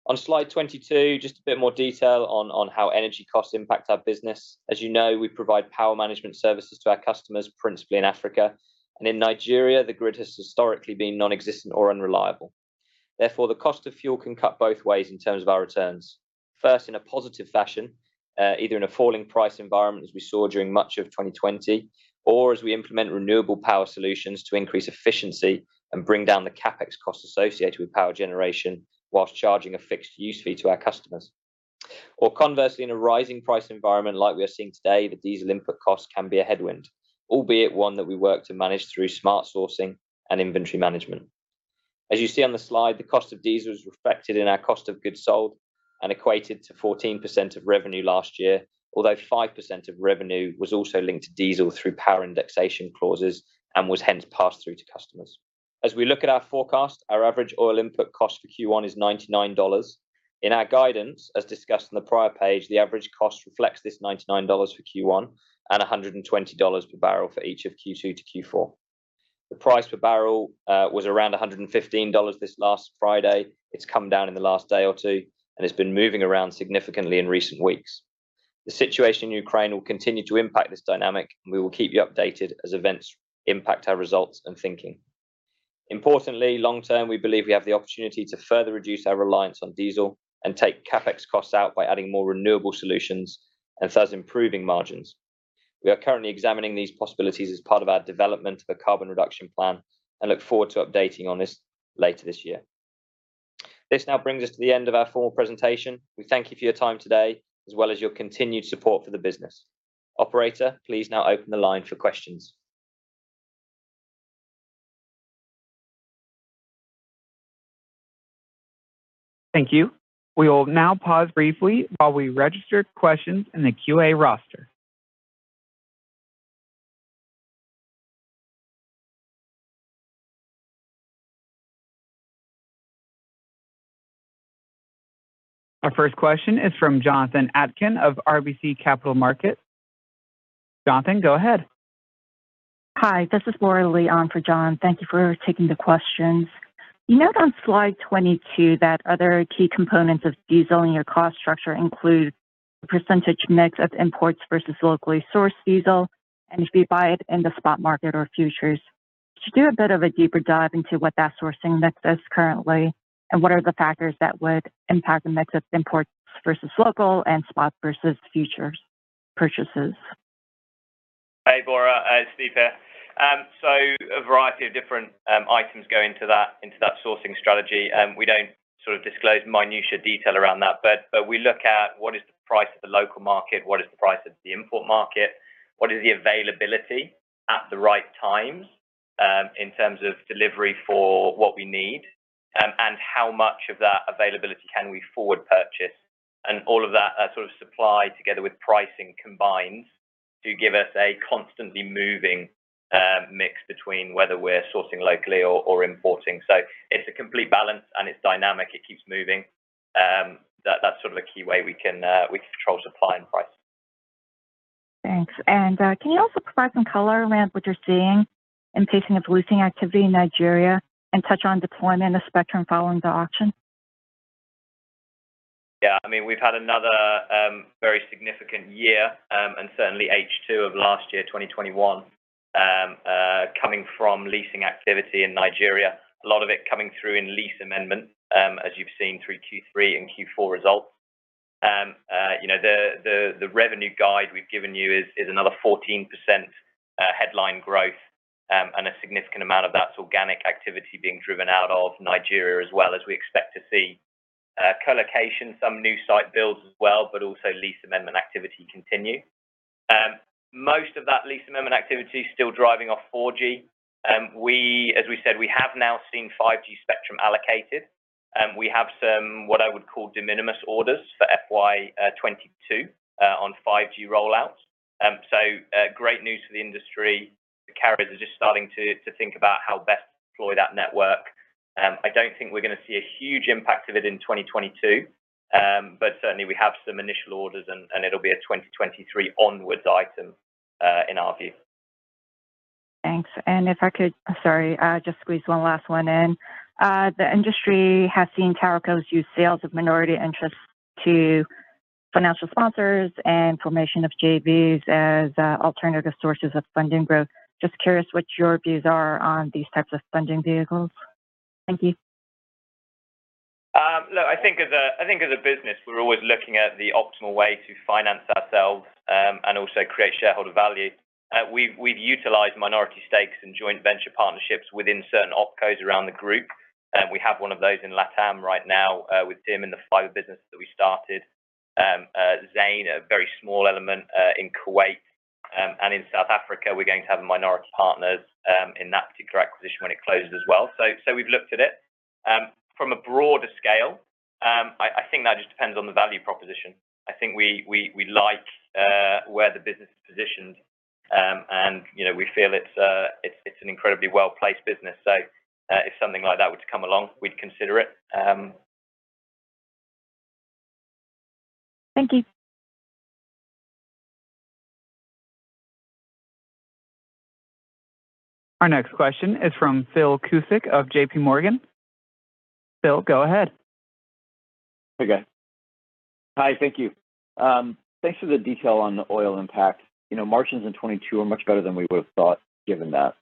On slide 22, just a bit more detail on how energy costs impact our business. As you know, we provide power management services to our customers, principally in Africa. In Nigeria, the grid has historically been nonexistent or unreliable. Therefore, the cost of fuel can cut both ways in terms of our returns. First, in a positive fashion, either in a falling price environment, as we saw during much of 2020, or as we implement renewable power solutions to increase efficiency and bring down the CapEx costs associated with power generation while charging a fixed use fee to our customers. Conversely, in a rising price environment like we are seeing today, the diesel input costs can be a headwind, albeit one that we work to manage through smart sourcing and inventory management. As you see on the slide, the cost of diesel is reflected in our cost of goods sold and equated to 14% of revenue last year, although 5% of revenue was also linked to diesel through power indexation clauses and was hence passed through to customers. As we look at our forecast, our average oil input cost for Q1 is $99. In our guidance, as discussed in the prior page, the average cost reflects this $99 for Q1 and $120 per barrel for each of Q2 to Q4. The price per barrel was around $115 this last Friday. It's come down in the last day or two, and it's been moving around significantly in recent weeks. The situation in Ukraine will continue to impact this dynamic, and we will keep you updated as events impact our results and thinking. Importantly, long term, we believe we have the opportunity to further reduce our reliance on diesel and take CapEx costs out by adding more renewable solutions and thus improving margins. We are currently examining these possibilities as part of our development of a carbon reduction plan and look forward to updating on this later this year. This now brings us to the end of our formal presentation. We thank you for your time today as well as your continued support for the business. Operator, please now open the line for questions. Thank you. We will now pause briefly while we register questions in the Q&A roster. Our first question is from Jonathan Atkin of RBC Capital Markets. Jonathan, go ahead. Hi, this is Laura Liu on for John. Thank you for taking the questions. You note on slide 22 that other key components of diesel in your cost structure include percentage mix of imports versus locally sourced diesel, and if you buy it in the spot market or futures. Could you do a bit of a deeper dive into what that sourcing mix is currently, and what are the factors that would impact the mix of imports versus local and spot versus futures purchases? Hey, Laura. It's Steve here. A variety of different items go into that, into that sourcing strategy. We don't sort of disclose minutiae detail around that, but we look at what is the price of the local market, what is the price of the import market, what is the availability at the right times, in terms of delivery for what we need, and how much of that availability can we forward purchase. All of that sort of supply together with pricing combined do give us a constantly moving mix between whether we're sourcing locally or importing. It's a complete balance and it's dynamic. It keeps moving. That's sort of a key way we can control supply and price. Thanks. Can you also provide some color around what you're seeing in pacing of leasing activity in Nigeria and touch on deployment of spectrum following the auction? Yeah, I mean, we've had another very significant year, and certainly H2 of last year, 2021, coming from leasing activity in Nigeria. A lot of it coming through in lease amendment, as you've seen through Q3 and Q4 results. You know, the revenue guide we've given you is another 14% headline growth, and a significant amount of that's organic activity being driven out of Nigeria as well as we expect to see co-location, some new site builds as well, but also lease amendment activity continue. Most of that lease amendment activity is still driving off 4G. As we said, we have now seen 5G spectrum allocated. We have some what I would call de minimis orders for FY 2022 on 5G rollouts. Great news for the industry. The carriers are just starting to think about how best to deploy that network. I don't think we're going to see a huge impact of it in 2022, but certainly we have some initial orders and it'll be a 2023 onwards item, in our view. Thanks. If I could just squeeze one last one in. The industry has seen TowerCos use sales of minority interest to financial sponsors and formation of JVs as alternative sources of funding growth. Just curious what your views are on these types of funding vehicles. Thank you. Look, I think as a business, we're always looking at the optimal way to finance ourselves and also create shareholder value. We've utilized minority stakes and joint venture partnerships within certain opcos around the group. We have one of those in LatAm right now with TIM in the fiber business that we started. Zain, a very small element in Kuwait. In South Africa, we're going to have minority partners in that particular acquisition when it closes as well. We've looked at it. From a broader scale, I think that just depends on the value proposition. I think we like where the business is positioned, and you know, we feel it's an incredibly well-placed business. If something like that were to come along, we'd consider it. Thank you. Our next question is from Philip Cusick of JPMorgan. Phil, go ahead. Hey, guys. Hi, thank you. Thanks for the detail on the oil impact. You know, margins in 2022 are much better than we would have thought given that,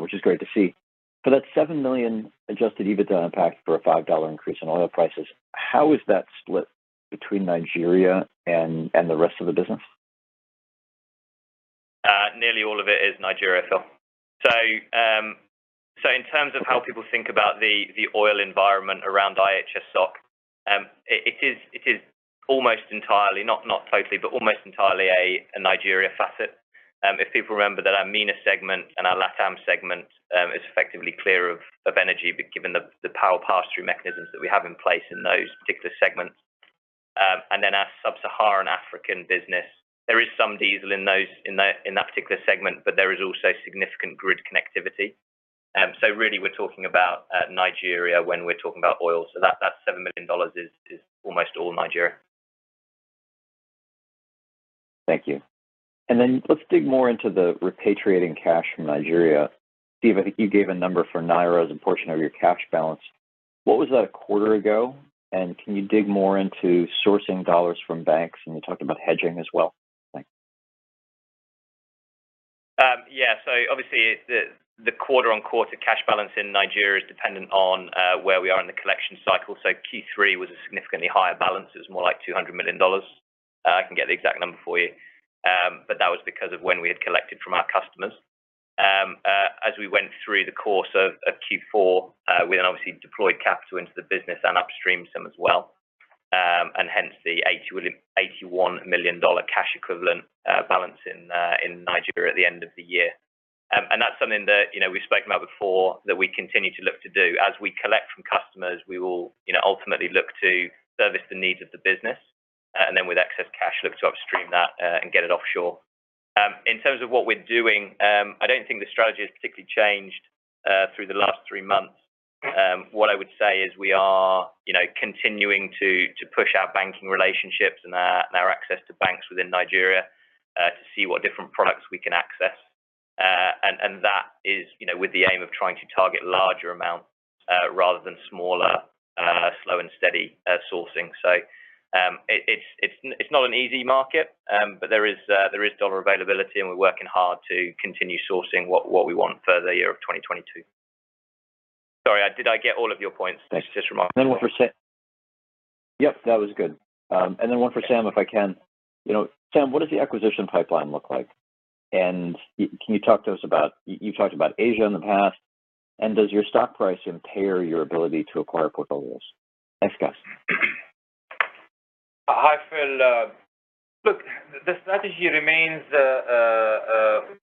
which is great to see. For that $7 million adjusted EBITDA impact for a $5 increase in oil prices, how is that split between Nigeria and the rest of the business? Nearly all of it is Nigeria, Phil. So in terms of how people think about the oil environment around IHS stock, it is almost entirely, not totally, but almost entirely a Nigeria facet. If people remember that our MENA segment and our LatAm segment is effectively clear of energy, but given the power pass-through mechanisms that we have in place in those particular segments. Then our Sub-Saharan African business, there is some diesel in that particular segment, but there is also significant grid connectivity. So really we're talking about Nigeria when we're talking about oil. So that $7 million is almost all Nigeria. Thank you. Let's dig more into the repatriating cash from Nigeria. Steve, I think you gave a number for Naira as a portion of your cash balance. What was that a quarter ago? Can you dig more into sourcing dollars from banks? You talked about hedging as well. Thanks. Yeah. Obviously, the quarter-on-quarter cash balance in Nigeria is dependent on where we are in the collection cycle. Q3 was a significantly higher balance. It was more like $200 million. I can get the exact number for you. But that was because of when we had collected from our customers. As we went through the course of Q4, we then obviously deployed capital into the business and upstreamed some as well. Hence the $81 million cash equivalent balance in Nigeria at the end of the year. And that's something that, you know, we've spoken about before, that we continue to look to do. As we collect from customers, we will, you know, ultimately look to service the needs of the business, and then with excess cash, look to upstream that, and get it offshore. In terms of what we're doing, I don't think the strategy has particularly changed through the last three months. What I would say is we are, you know, continuing to push our banking relationships and our access to banks within Nigeria, to see what different products we can access. That is, you know, with the aim of trying to target larger amounts, rather than smaller, slow and steady, sourcing. It's not an easy market. There is dollar availability, and we're working hard to continue sourcing what we want for the year of 2022. Sorry, did I get all of your points? Just remarkable. One for Sam, if I can. You know, Sam, what does the acquisition pipeline look like? Can you talk to us about, you've talked about Asia in the past, and does your stock price impair your ability to acquire portfolios? Thanks, guys. Hi, Phil. Look, the strategy remains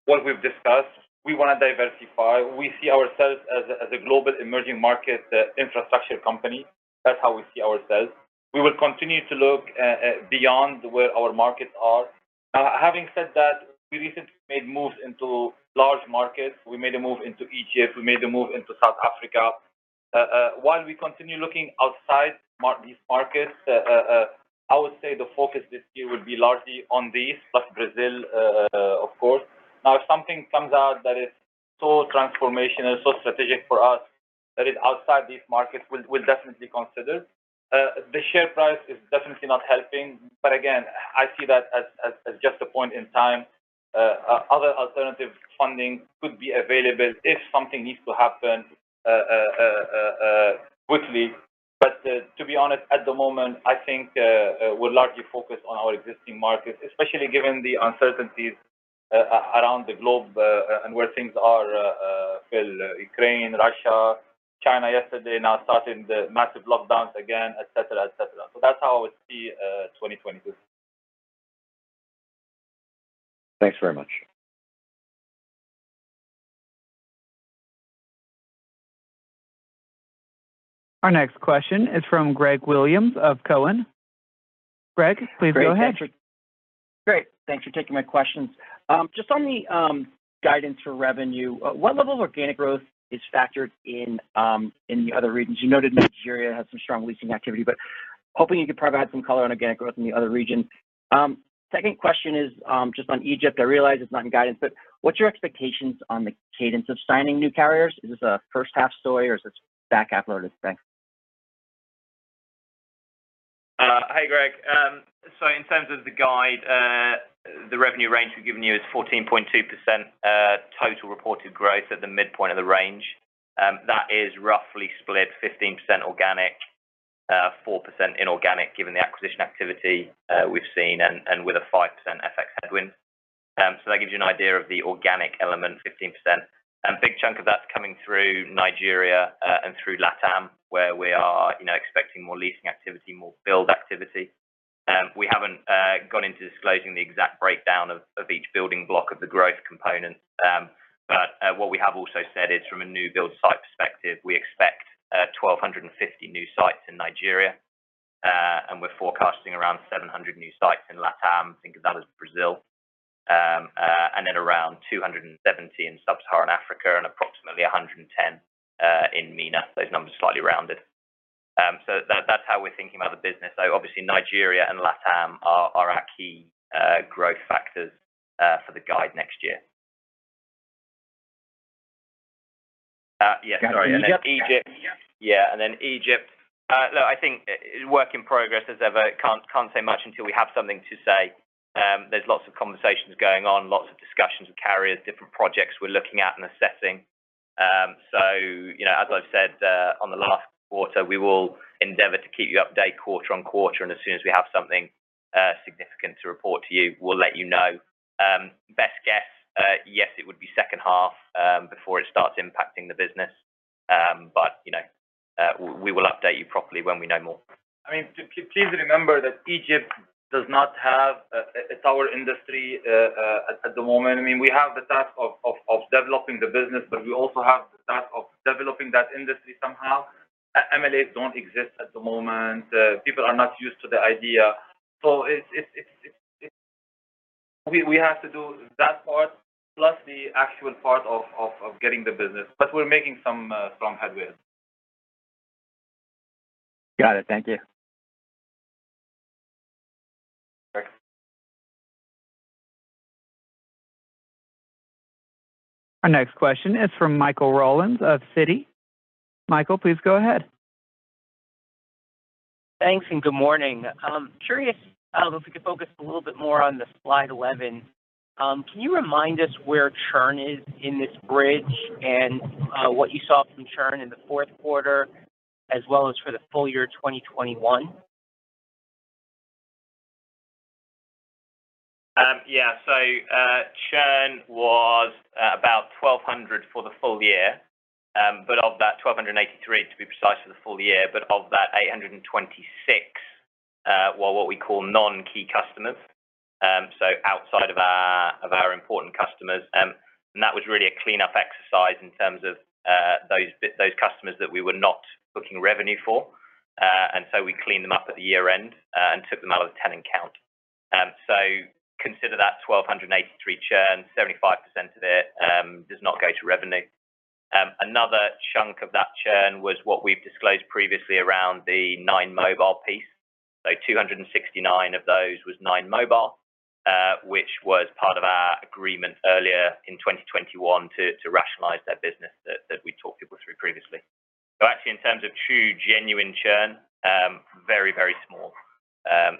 what we've discussed. We want to diversify. We see ourselves as a global emerging market infrastructure company. That's how we see ourselves. We will continue to look beyond where our markets are. Now, having said that, we recently made moves into large markets. We made a move into Egypt. We made a move into South Africa. While we continue looking outside these markets, I would say the focus this year will be largely on these, plus Brazil, of course. Now, if something comes out that is so transformational, so strategic for us, that is outside these markets, we'll definitely consider. The share price is definitely not helping. But again, I see that as just a point in time. Other alternative funding could be available if something needs to happen quickly. To be honest, at the moment, I think we're largely focused on our existing markets, especially given the uncertainties around the globe and where things are with Ukraine, Russia. China yesterday now starting the massive lockdowns again, et cetera, et cetera. That's how I would see 2022. Thanks very much. Our next question is from Gregory Williams of Cowen. Greg, please go ahead. Great. Thanks for taking my questions. Just on the guidance for revenue, what level of organic growth is factored in in the other regions? You noted Nigeria has some strong leasing activity, but hoping you could provide some color on organic growth in the other regions. Second question is just on Egypt. I realize it's not in guidance, but what's your expectations on the cadence of signing new carriers? Is this a first-half story or is this back half loaded? Thanks. Hi, Greg. In terms of the guide, the revenue range we've given you is 14.2% total reported growth at the midpoint of the range. That is roughly split 15% organic, 4% inorganic, given the acquisition activity we've seen and with a 5% FX headwind. That gives you an idea of the organic element, 15%. A big chunk of that's coming through Nigeria and through LatAm, where we are, you know, expecting more leasing activity, more build activity. We haven't got into disclosing the exact breakdown of each building block of the growth component. What we have also said is from a new build site perspective, we expect 1,250 new sites in Nigeria, and we're forecasting around 700 new sites in LatAm, think of that as Brazil, and then around 270 in Sub-Saharan Africa and approximately 110 in MENA. Those numbers are slightly rounded. That's how we're thinking about the business. Obviously, Nigeria and LatAm are our key growth factors for the guide next year. Yes, sorry. Egypt? Then Egypt. Look, I think work in progress as ever. Can't say much until we have something to say. There's lots of conversations going on, lots of discussions with carriers, different projects we're looking at and assessing. You know, as I've said, on the last quarter, we will endeavor to keep you up to date quarter-on-quarter, and as soon as we have something significant to report to you, we'll let you know. Best guess, yes, it would be second half before it starts impacting the business. You know, we will update you properly when we know more. I mean, please remember that Egypt does not have. It's our industry at the moment. I mean, we have the task of developing the business, but we also have the task of developing that industry somehow. MLAs don't exist at the moment. People are not used to the idea. We have to do that part plus the actual part of getting the business. We're making some headway. Got it. Thank you. Okay. Our next question is from Michael Rollins of Citi. Michael, please go ahead. Thanks, good morning. I'm curious if we could focus a little bit more on the slide 11. Can you remind us where churn is in this bridge and what you saw from churn in the fourth quarter as well as for the full year 2021? Yeah. Churn was about 1,200 for the full year. Of that, 1,283 to be precise for the full year. Of that, 826 were what we call non-key customers, so outside of our important customers. That was really a cleanup exercise in terms of those customers that we were not booking revenue for. We cleaned them up at the year-end and took them out of the tenant count. Consider that 1,283 churn, 75% of it does not go to revenue. Another chunk of that churn was what we've disclosed previously around the 9mobile piece. 269 of those was 9mobile, which was part of our agreement earlier in 2021 to rationalize their business that we talked people through previously. Actually in terms of true genuine churn, very, very small,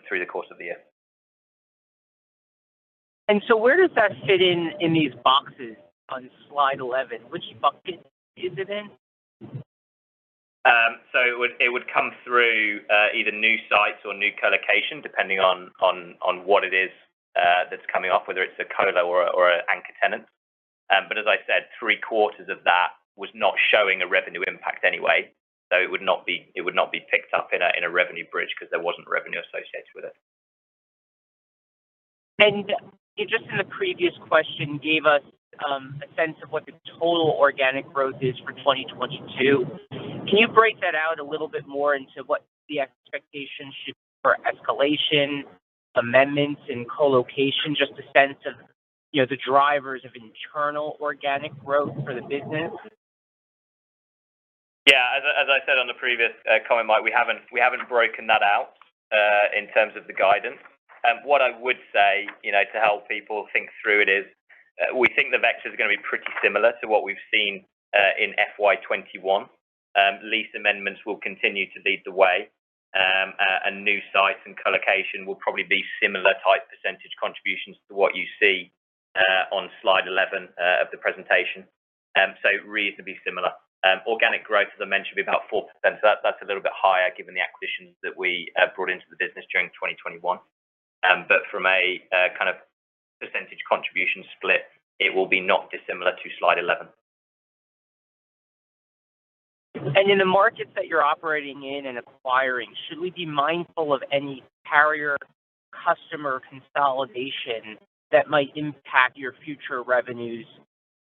through the course of the year. Where does that fit in these boxes on slide 11? Which bucket is it in? It would come through either new sites or new colocation depending on what it is that's coming off, whether it's a colo or an anchor tenant. As I said, three-quarters of that was not showing a revenue impact anyway, so it would not be picked up in a revenue bridge 'cause there wasn't revenue associated with it. You just in the previous question gave us a sense of what the total organic growth is for 2022. Can you break that out a little bit more into what the expectation should be for escalation, amendments and colocation? Just a sense of, you know, the drivers of internal organic growth for the business. Yeah. As I said on the previous comment, Mike, we haven't broken that out in terms of the guidance. What I would say, you know, to help people think through it is, we think the vector is going to be pretty similar to what we've seen in FY 2021. Lease amendments will continue to lead the way, and new sites and colocation will probably be similar type percentage contributions to what you see on slide 11 of the presentation, so reasonably similar. Organic growth, as I mentioned, will be about 4%. That's a little bit higher given the acquisitions that we brought into the business during 2021. From a kind of percentage contribution split, it will be not dissimilar to slide 11. In the markets that you're operating in and acquiring, should we be mindful of any carrier customer consolidation that might impact your future revenues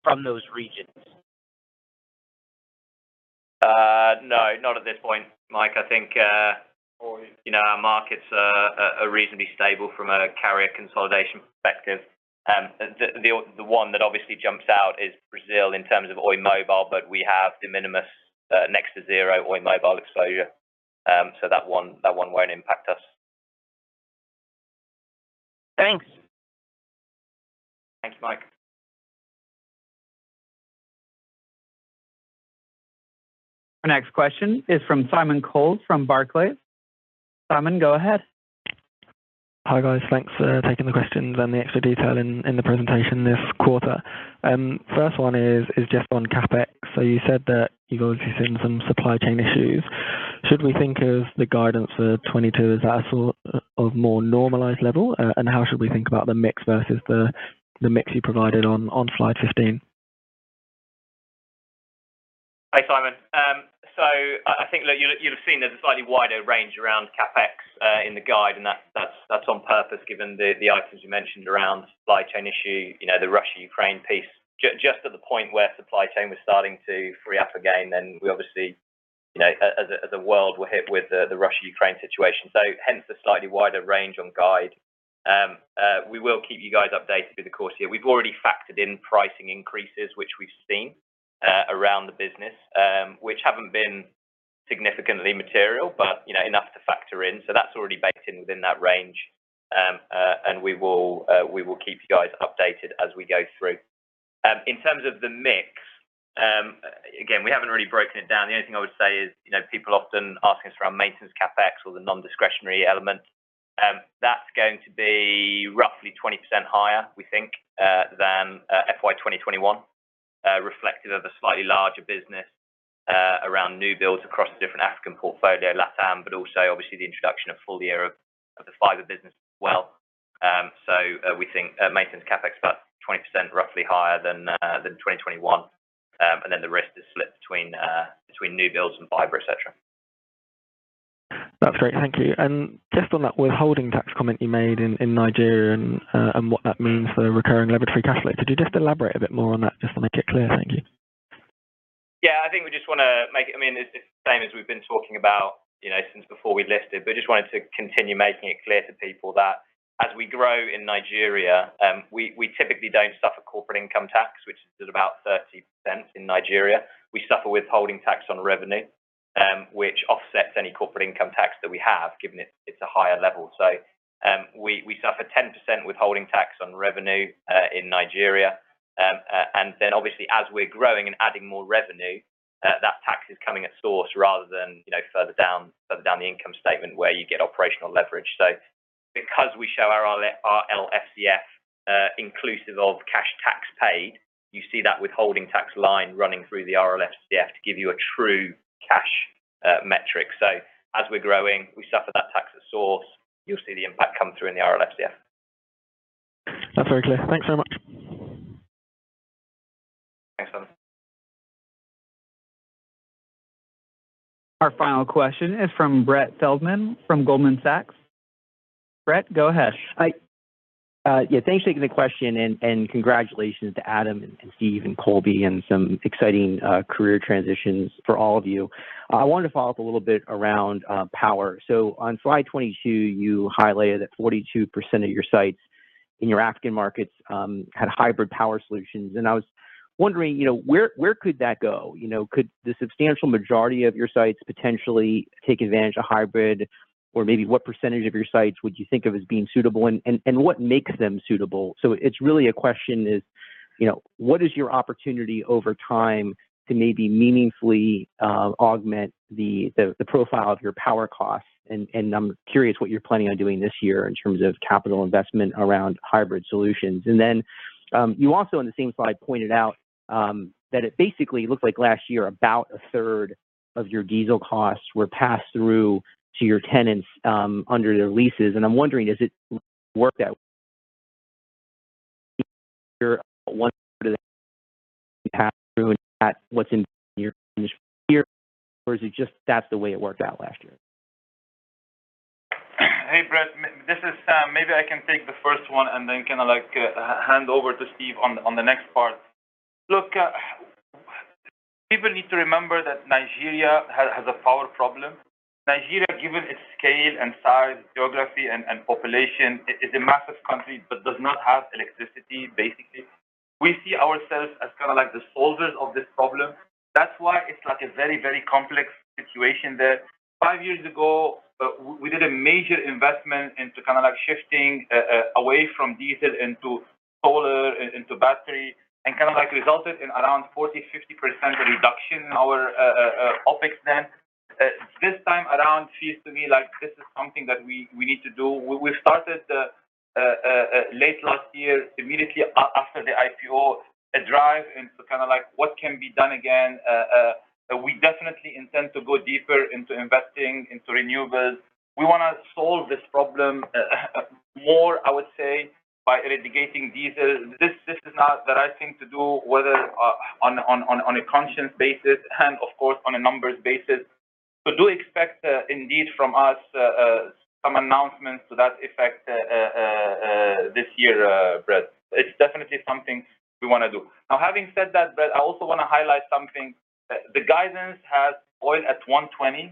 from those regions? No, not at this point, Mike. I think you know, our markets are reasonably stable from a carrier consolidation perspective. The one that obviously jumps out is Brazil in terms of Oi Mobile, but we have de minimis next to zero Oi Mobile exposure, so that one won't impact us. Thanks. Thanks, Mike. Our next question is from Simon Flannery from Barclays. Simon, go ahead. Hi, guys. Thanks for taking the questions and the extra detail in the presentation this quarter. First one is just on CapEx. You said that you've obviously seen some supply chain issues. Should we think of the guidance for 2022 as our sort of more normalized level? How should we think about the mix versus the mix you provided on slide 15? Hi, Simon. I think, look, you'll have seen there's a slightly wider range around CapEx in the guide, and that's on purpose given the items you mentioned around supply chain issue, you know, the Russia-Ukraine piece. Just at the point where supply chain was starting to free up again, we obviously, you know, as a world were hit with the Russia-Ukraine situation. Hence the slightly wider range on guide. We will keep you guys updated through the course here. We've already factored in pricing increases, which we've seen around the business, which haven't been significantly material, but, you know, enough to factor in. That's already baked in within that range. We will keep you guys updated as we go through. In terms of the mix, again, we haven't really broken it down. The only thing I would say is, you know, people often ask us for our maintenance CapEx or the non-discretionary element. That's going to be roughly 20% higher, we think, than FY 2021, reflective of a slightly larger business, around new builds across the different African portfolio, LatAm, but also obviously the introduction of full year of the fiber business as well. We think, maintenance CapEx about 20% roughly higher than 2021. And then the rest is split between new builds and fiber, et cetera. That's great. Thank you. Just on that withholding tax comment you made in Nigeria and what that means for the recurring levered free cash flow. Could you just elaborate a bit more on that just to make it clear? Thank you. Yeah. I think we just want to make it. I mean, it's the same as we've been talking about, you know, since before we listed. Just wanted to continue making it clear to people that as we grow in Nigeria, we typically don't suffer corporate income tax, which is about 30% in Nigeria. We suffer withholding tax on revenue, which offsets any corporate income tax that we have, given it's a higher level. We suffer 10% withholding tax on revenue in Nigeria. And then obviously as we're growing and adding more revenue, that tax is coming at source rather than, you know, further down the income statement where you get operational leverage. Because we show our RLFCF, inclusive of cash tax paid, you see that withholding tax line running through the RLFCF to give you a true cash metric. As we're growing, we suffer that tax at source. You'll see the impact come through in the RLFCF. That's very clear. Thanks so much. Thanks, Simon. Our final question is from Brett Feldman from Goldman Sachs. Brett, go ahead. Yeah, thanks for taking the question and congratulations to Adam and Steve and Colby on some exciting career transitions for all of you. I wanted to follow up a little bit around power. On slide 22, you highlighted that 42% of your sites in your African markets had hybrid power solutions. I was wondering, you know, where could that go? You know, could the substantial majority of your sites potentially take advantage of hybrid? Or maybe what percentage of your sites would you think of as being suitable and what makes them suitable? It's really a question, you know, what is your opportunity over time to maybe meaningfully augment the profile of your power costs? I'm curious what you're planning on doing this year in terms of capital investment around hybrid solutions. You also in the same slide pointed out that it basically looked like last year about a third of your diesel costs were passed through to your tenants under their leases. I'm wondering, is it worked out or is it just that's the way it worked out last year? Hey, Brett, this is Sam. Maybe I can take the first one and then kinda like hand over to Steve on the next part. Look, people need to remember that Nigeria has a power problem. Nigeria, given its scale and size, geography and population, it is a massive country but does not have electricity, basically. We see ourselves as kinda like the solvers of this problem. That's why it's like a very, very complex situation there. five years ago, we did a major investment into kinda like shifting away from diesel into solar, into battery, and kinda like resulted in around 40%-50% reduction in our OpEx then. This time around seems to me like this is something that we need to do. We started late last year, immediately after the IPO, a drive into kinda like what can be done again. We definitely intend to go deeper into investing into renewables. We want to solve this problem more, I would say, by eradicating diesel. This is not the right thing to do, whether on a conscience basis and of course on a numbers basis. Do expect indeed from us some announcements to that effect this year, Brett. It's definitely something we want to do. Now, having said that, Brett, I also want to highlight something. The guidance has oil at 120.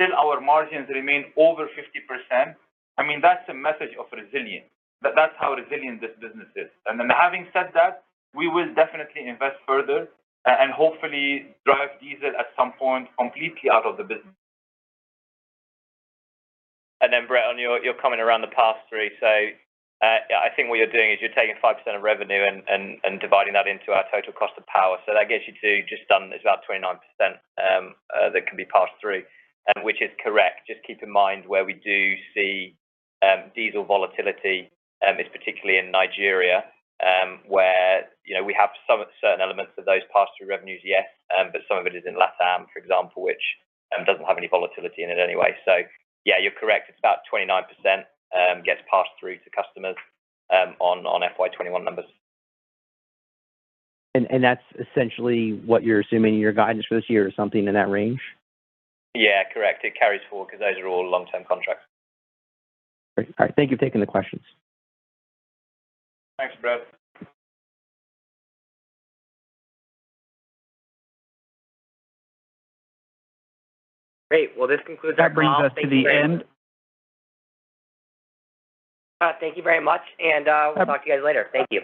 Still our margins remain over 50%. I mean, that's a message of resilience, that's how resilient this business is. Having said that, we will definitely invest further and hopefully drive diesel at some point completely out of the business. Brett, on your comment around the pass-through. Yeah, I think what you're doing is you're taking 5% of revenue and dividing that into our total cost of power. That gets you to just under 29% that can be passed through, which is correct. Just keep in mind where we do see diesel volatility is particularly in Nigeria, where, you know, we have some certain elements of those pass-through revenues, yes, but some of it is in LatAm, for example, which doesn't have any volatility in it anyway. Yeah, you're correct. It's about 29% gets passed through to customers on FY 2021 numbers. That's essentially what you're assuming in your guidance for this year or something in that range? Yeah, correct. It carries forward 'cause those are all long-term contracts. Great. All right. Thank you for taking the questions. Thanks, Brett. Great. Well, this concludes our call. Thank you very much. That brings us to the end. Thank you very much and we'll talk to you guys later. Thank you.